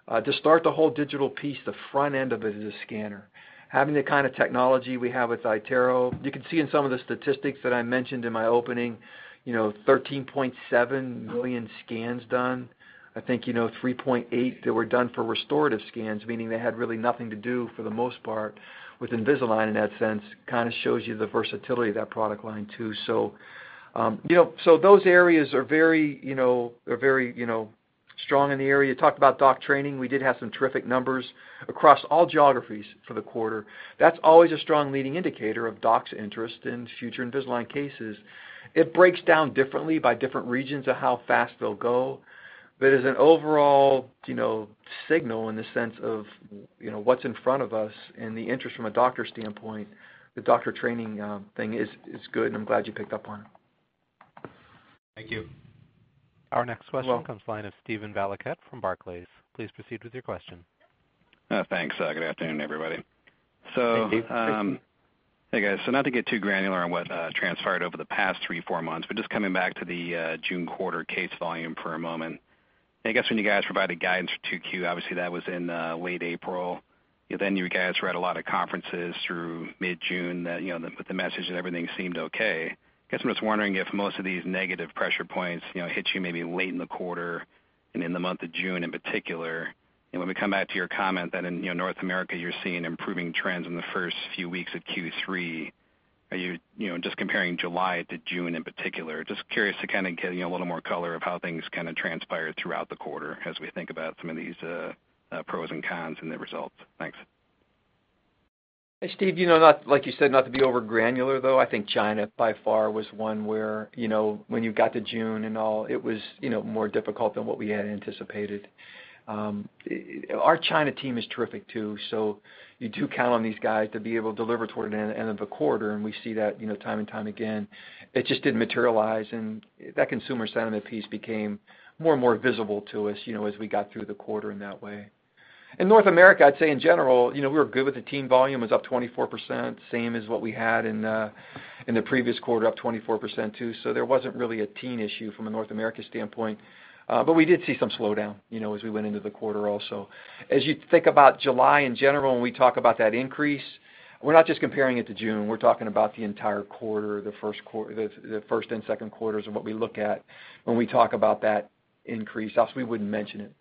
To start the whole digital piece, the front end of it is a scanner. Having the kind of technology we have with iTero, you can see in some of the statistics that I mentioned in my opening, 13.7 million scans done. I think 3.8 that were done for restorative scans, meaning they had really nothing to do for the most part with Invisalign in that sense, shows you the versatility of that product line too. So, those areas are very strong in the area. We talked about doc training. We did have some terrific numbers across all geographies for the quarter. That's always a strong leading indicator of docs' interest in future Invisalign cases. It breaks down differently by different regions of how fast they'll go. As an overall signal in the sense of what's in front of us and the interest from a doctor standpoint, the doctor training thing is good, and I'm glad you picked up on it.
Thank you.
Our next question comes line of Steven Valiquette from Barclays. Please proceed with your question.
Thanks. Good afternoon, everybody.
Hey, Steven.
Hey, guys. Not to get too granular on what transpired over the past three, four months, but just coming back to the June quarter case volume for a moment. I guess when you guys provided guidance for 2Q, obviously that was in late April. Then, you guys were at a lot of conferences through mid-June with the message that everything seemed okay. Guess I'm just wondering if most of these negative pressure points hit you maybe late in the quarter and in the month of June in particular. When we come back to your comment that in North America you're seeing improving trends in the first few weeks of Q3, just comparing July to June in particular, just curious to get a little more color of how things transpired throughout the quarter as we think about some of these pros and cons in the results. Thanks.
Hey, Steven, like you said, not to be over-granular though, I think China by far was one where when you got to June and all, it was more difficult than what we had anticipated. Our China team is terrific too, so you do count on these guys to be able to deliver toward an end of a quarter, and we see that time and time again. It just didn't materialize, and that consumer sentiment piece became more and more visible to us as we got through the quarter in that way. In North America, I'd say in general, we were good with the Teen volume, was up 24%, same as what we had in the previous quarter, up 24% too. There wasn't really a Teen issue from a North America standpoint. We did see some slowdown as we went into the quarter also. You think about July in general, when we talk about that increase, we're not just comparing it to June, we're talking about the entire quarter, the first and second quarters are what we look at when we talk about that increase else we wouldn't mention it.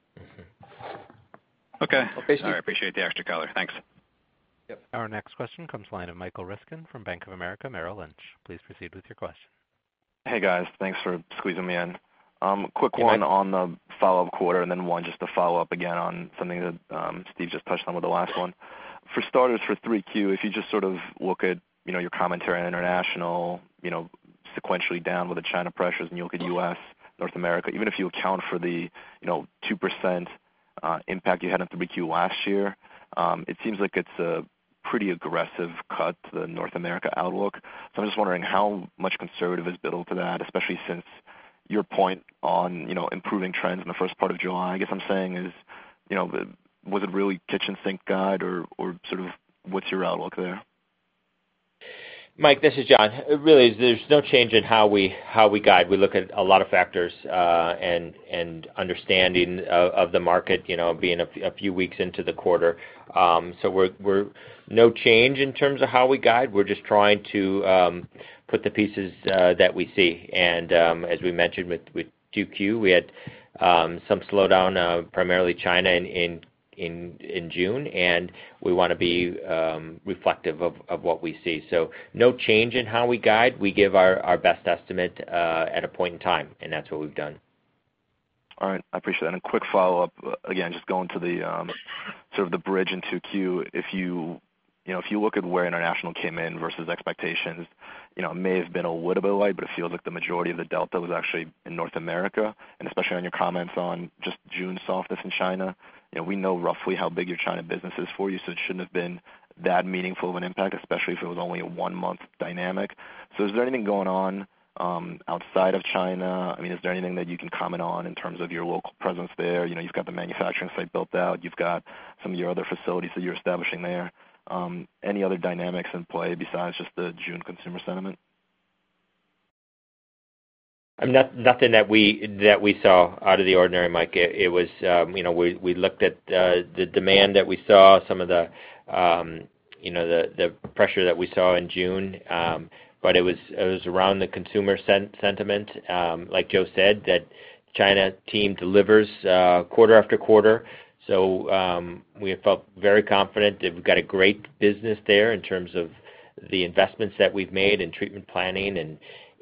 Okay.
Okay, Steven.
All right, appreciate the extra color. Thanks.
Yep.
Our next question comes line of Michael Ryskin from Bank of America Merrill Lynch. Please proceed with your question.
Hey, guys. Thanks for squeezing me in.
You bet.
Quick one on the follow-up quarter, then one just to follow up again on something that Steven just touched on with the last one. For starters, for 3Q, if you just sort of look at your commentary on international, sequentially down with the China pressures, and you look at U.S., North America, even if you account for the 2% impact you had on 3Q last year, it seems like it's a pretty aggressive cut to the North America outlook. I'm just wondering how much conservative is built into that, especially since your point on improving trends in the first part of July. I guess I'm saying is, was it really kitchen sink guide or sort of what's your outlook there?
Mike, this is John. Really, there's no change in how we guide. We look at a lot of factors, understanding of the market, being a few weeks into the quarter. We're no change in terms of how we guide. We're just trying to put the pieces that we see. As we mentioned with 2Q, we had some slowdown, primarily China in June, and we want to be reflective of what we see. No change in how we guide. We give our best estimate at a point in time, and that's what we've done.
All right. I appreciate that. Quick follow-up, again, just going to the sort of the bridge in 2Q. If you look at where international came in versus expectations, it may have been a little bit light, but it feels like the majority of the delta was actually in North America, and especially on your comments on just June softness in China. We know roughly how big your China business is for you, so it shouldn't have been that meaningful of an impact, especially if it was only a one-month dynamic. Is there anything going on outside of China? Is there anything that you can comment on in terms of your local presence there? You've got the manufacturing site built out, you've got some of your other facilities that you're establishing there. Any other dynamics in play besides just the June consumer sentiment?
Nothing that we saw out of the ordinary, Mike. We looked at the demand that we saw, some of the pressure that we saw in June. But it was around the consumer sentiment, like Joe said, that China team delivers quarter after quarter. We felt very confident that we've got a great business there in terms of the investments that we've made in treatment planning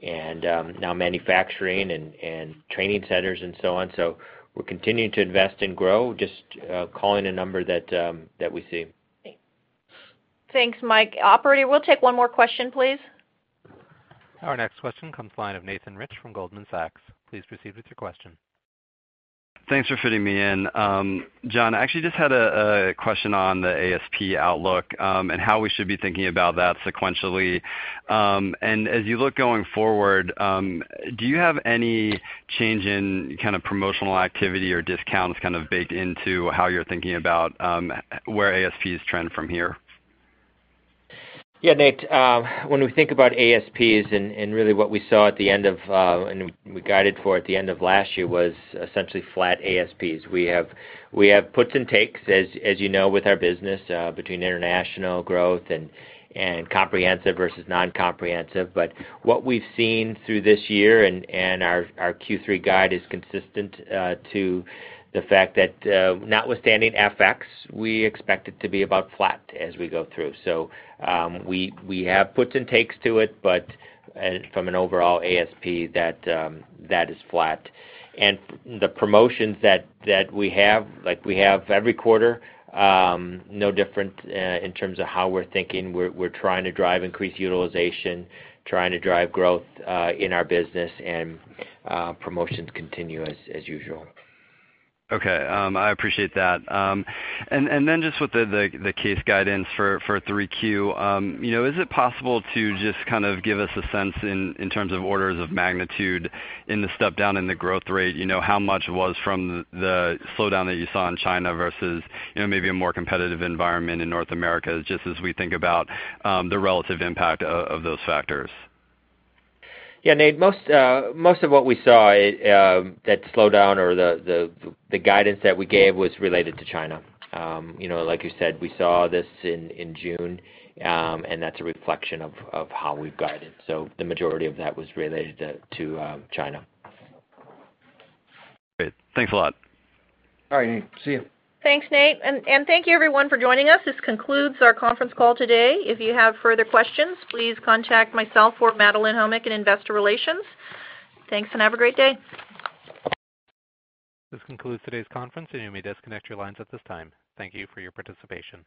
and now manufacturing and training centers and so on. We're continuing to invest and grow, just calling a number that we see.
Thanks.
Thanks, Mike. Operator, we'll take one more question, please.
Our next question comes line of Nathan Rich from Goldman Sachs. Please proceed with your question.
Thanks for fitting me in. John, I actually just had a question on the ASP outlook, and how we should be thinking about that sequentially. As you look going forward, do you have any change in kind of promotional activity or discounts kind of baked into how you're thinking about where ASPs trend from here?
Yeah, Nate. When we think about ASPs and really what we saw at the end of, and we guided for at the end of last year was essentially flat ASPs. We have puts and takes, as you know, with our business, between international growth and comprehensive versus non-comprehensive. What we've seen through this year and our Q3 guide is consistent to the fact that, notwithstanding FX, we expect it to be about flat as we go through. We have puts and takes to it, but from an overall ASP, that is flat. The promotions that we have, like we have every quarter, no different in terms of how we're thinking. We're trying to drive increased utilization, trying to drive growth, in our business, and promotions continue as usual.
Okay. I appreciate that. Then just with the case guidance for 3Q. Is it possible to just kind of give us a sense in terms of orders of magnitude in the step down in the growth rate, how much was from the slowdown that you saw in China versus maybe a more competitive environment in North America, just as we think about the relative impact of those factors?
Yeah, Nate, most of what we saw, that slowdown or the guidance that we gave was related to China. Like you said, we saw this in June, that's a reflection of how we've guided. The majority of that was related to China.
Great. Thanks a lot.
All right, Nate. See you.
Thanks, Nate. Thank you everyone for joining us. This concludes our conference call today. If you have further questions, please contact myself or Madelyn Homick in investor relations. Thanks, have a great day.
This concludes today's conference, and you may disconnect your lines at this time. Thank you for your participation.